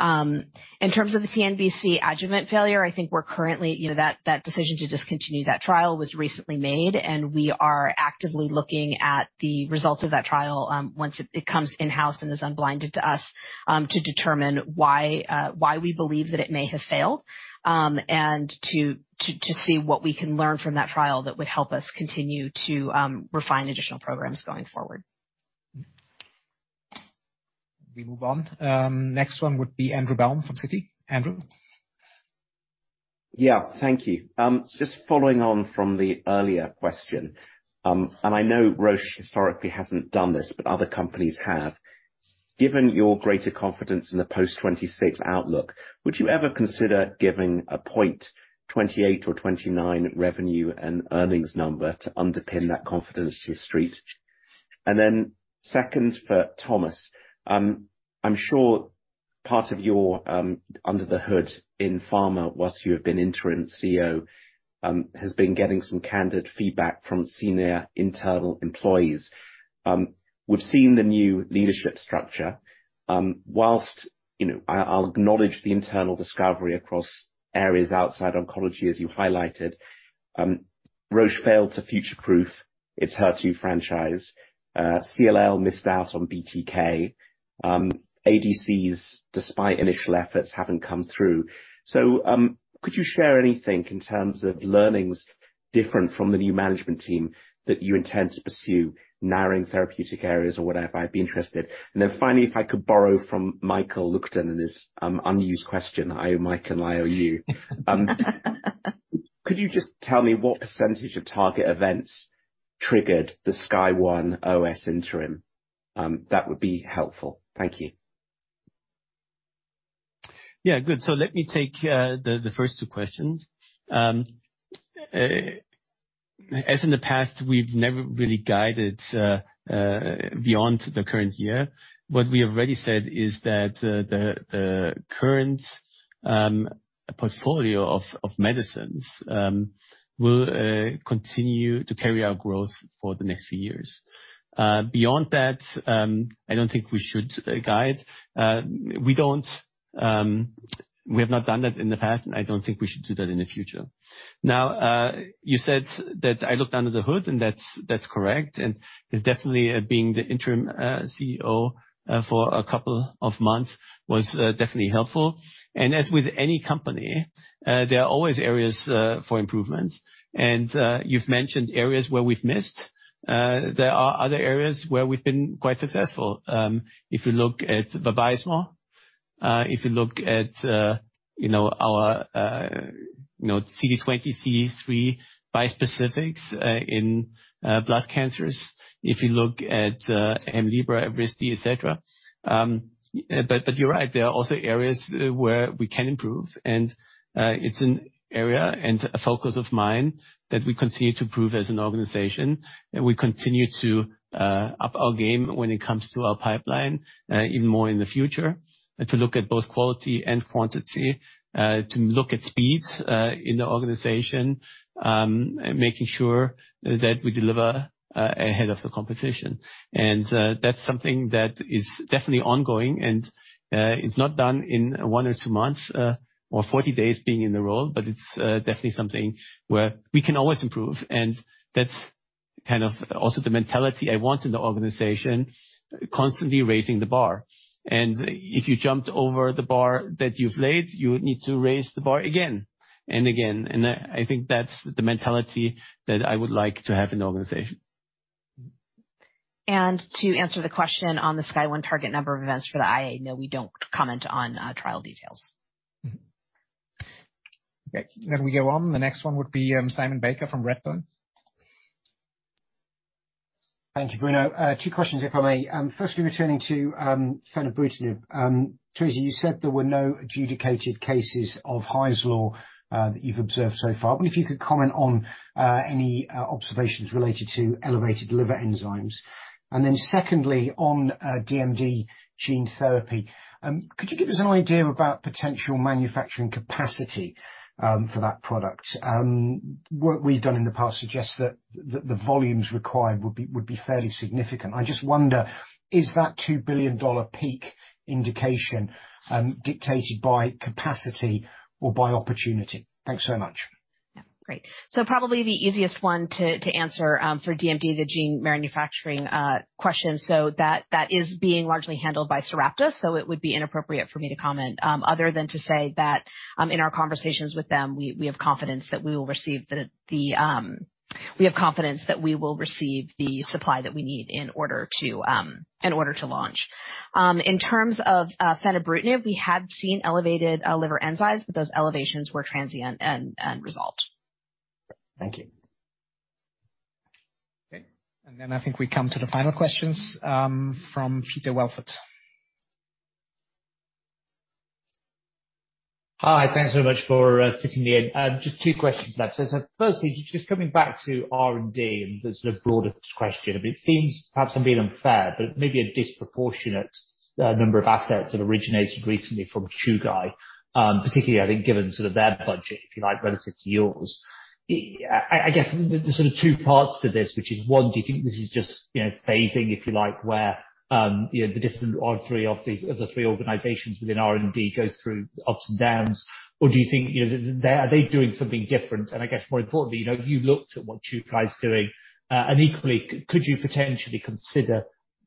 Speaker 4: In terms of the TNBC adjuvant failure, I think we're currently, you know, that decision to discontinue that trial was recently made. We are actively looking at the results of that trial, once it comes in-house and is unblinded to us, to determine why we believe that it may have failed, and to see what we can learn from that trial that would help us continue to refine additional programs going forward.
Speaker 2: We move on. Next one would be Andrew Baum from Citi. Andrew.
Speaker 17: Yeah. Thank you. Just following on from the earlier question, I know Roche historically hasn't done this, but other companies have. Given your greater confidence in the post 2026 outlook, would you ever consider giving a 0.28 or 0.29 revenue and earnings number to underpin that confidence to the street? Then second, for Thomas, I'm sure part of your under the hood in pharma, whilst you have been interim CEO, has been getting some candid feedback from senior internal employees. We've seen the new leadership structure, whilst, you know, I'll acknowledge the internal discovery across areas outside oncology, as you highlighted, Roche failed to future-proof its HER2 franchise. CLL missed out on BTK. ADCs, despite initial efforts, haven't come through. Could you share anything in terms of learnings different from the new management team that you intend to pursue, narrowing therapeutic areas or whatever? I'd be interested. Finally, if I could borrow from Michael Leuchten and his unused question. I owe Mike, and I owe you. Could you just tell me what % of target events triggered the SKYSCRAPER-01 OS interim? That would be helpful. Thank you.
Speaker 3: Good. Let me take the first two questions. As in the past, we've never really guided beyond the current year. What we have already said is that the current portfolio of medicines will continue to carry our growth for the next few years. Beyond that, I don't think we should guide. We don't. We have not done that in the past, and I don't think we should do that in the future. Now, you said that I looked under the hood, and that's correct. It's definitely being the interim CEO for a couple of months was definitely helpful. As with any company, there are always areas for improvements. You've mentioned areas where we've missed. There are other areas where we've been quite successful. If you look at Vabysmo, if you look at, you know, our, you know, CD20xCD3 bispecifics, in blood cancers. If you look at Hemlibra, Evrysdi, et cetera. You're right, there are also areas where we can improve. It's an area and a focus of mine that we continue to improve as an organization, and we continue to up our game when it comes to our pipeline, even more in the future. To look at both quality and quantity, to look at speeds, in the organization, making sure that we deliver ahead of the competition. That's something that is definitely ongoing and is not done in one or two months or 40 days being in the role, but it's definitely something where we can always improve. That's kind of also the mentality I want in the organization, constantly raising the bar. If you jumped over the bar that you've laid, you need to raise the bar again and again. I think that's the mentality that I would like to have in the organization.
Speaker 4: To answer the question on the Sky-01 target number of events for the IA, no, we don't comment on trial details.
Speaker 17: Mm-hmm.
Speaker 2: Okay. We go on. The next one would be Simon Baker from Redburn.
Speaker 18: Thank you, Bruno. two questions, if I may. firstly, returning to fenebrutinib. Teresa, you said there were no adjudicated cases of Hy's Law, that you've observed so far. I wonder if you could comment on any observations related to elevated liver enzymes. Then secondly, on DMD gene therapy, could you give us an idea about potential manufacturing capacity for that product? work we've done in the past suggests that the volumes required would be fairly significant. I just wonder, is that $2 billion peak indication dictated by capacity or by opportunity? Thanks so much.
Speaker 3: Yeah. Great. Probably the easiest one to answer for DMD, the gene manufacturing question. That is being largely handled by Sarepta, so it would be inappropriate for me to comment other than to say that in our conversations with them, we have confidence that we will receive the supply that we need in order to launch. In terms of fenebrutinib, we had seen elevated liver enzymes, but those elevations were transient and resolved.
Speaker 18: Thank you.
Speaker 2: Okay. I think we come to the final questions, from Peter Welford.
Speaker 19: Hi. Thanks so much for fitting me in. Just two questions left. Firstly, just coming back to R&D and the sort of broader question, but it seems perhaps I'm being unfair, but maybe a disproportionate number of assets have originated recently from Chugai, particularly, I think, given sort of their budget, if you like, relative to yours. I guess there's sort of two parts to this, which is, one, do you think this is just, you know, phasing, if you like, where, you know, the different of the three organizations within R&D goes through ups and downs, or do you think, you know, are they doing something different? I guess more importantly, you know, you looked at what Chugai is doing, and equally, could you potentially consider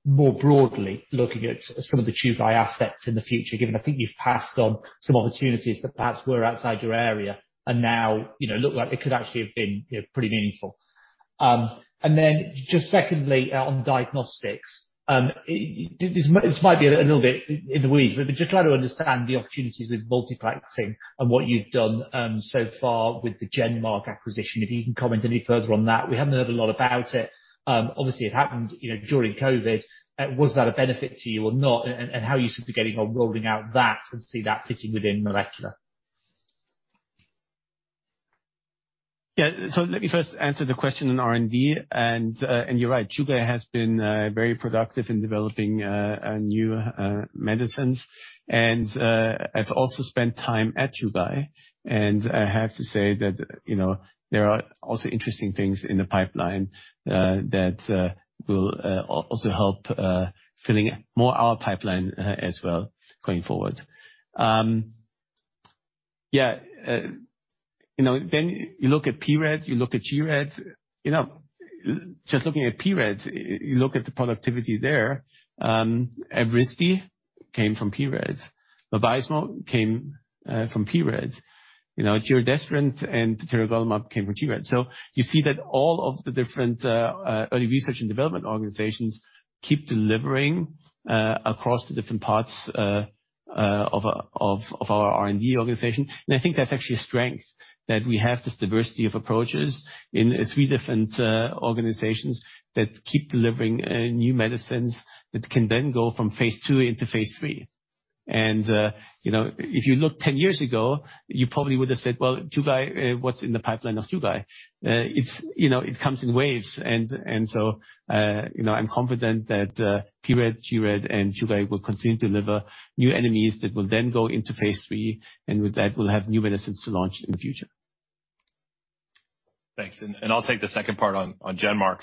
Speaker 19: more broadly looking at some of the Chugai assets in the future, given I think you've passed on some opportunities that perhaps were outside your area and now, you know, look like they could actually have been, you know, pretty meaningful? Then just secondly on diagnostics, this might be a little bit in the weeds, but just try to understand the opportunities with multi-practicing and what you've done so far with the GenMark acquisition. If you can comment any further on that. We haven't heard a lot about it. Obviously it happened, you know, during COVID. Was that a benefit to you or not? How are you sort of getting on rolling out that and see that fitting within molecular?
Speaker 3: Yeah. Let me first answer the question on R&D. You're right, Chugai has been very productive in developing new medicines. I've also spent time at Chugai, and I have to say that, you know, there are also interesting things in the pipeline that will also help filling more our pipeline as well going forward. Yeah, you know, then you look at pRED, you look at gRED, you know, just looking at pRED, you look at the productivity there, Evrysdi came from pRED. Vabysmo came from pRED. You know, Turodestrant and Turogolumab came from gRED. You see that all of the different early research and development organizations keep delivering across the different parts of our R&D organization. I think that's actually a strength that we have this diversity of approaches in three different organizations that keep delivering new medicines that can then go from phase 2 into phase 3. You know, if you look 10 years ago, you probably would have said, "Well, Chugai, what's in the pipeline of Chugai?" It's, you know, it comes in waves. So, you know, I'm confident that pRED, gRED, and Chugai will continue to deliver new enemies that will then go into phase III, and with that will have new medicines to launch in the future.
Speaker 5: Thanks. I'll take the second part on GenMark.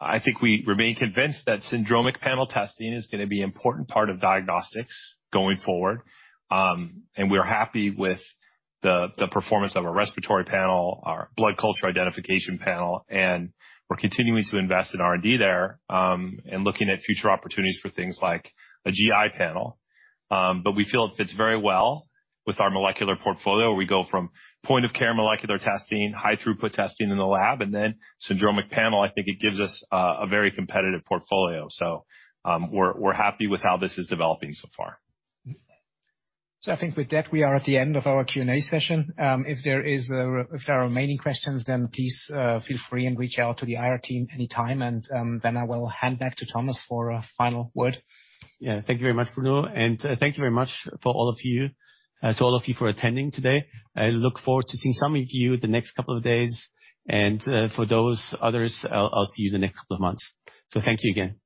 Speaker 5: I think we remain convinced that syndromic panel testing is gonna be an important part of diagnostics going forward. We're happy with the performance of our respiratory panel, our blood culture identification panel, and we're continuing to invest in R&D there, and looking at future opportunities for things like a GI panel. We feel it fits very well with our molecular portfolio, where we go from point of care molecular testing, high throughput testing in the lab, and then syndromic panel. I think it gives us a very competitive portfolio. We're happy with how this is developing so far.
Speaker 3: I think with that, we are at the end of our Q&A session. If there is, if there are remaining questions, then please feel free and reach out to the IR team anytime. Then I will hand back to Thomas for a final word. Yeah. Thank you very much, Bruno. Thank you very much for all of you to all of you for attending today. I look forward to seeing some of you the next couple of days. For those others, I'll see you the next couple of months. Thank you again.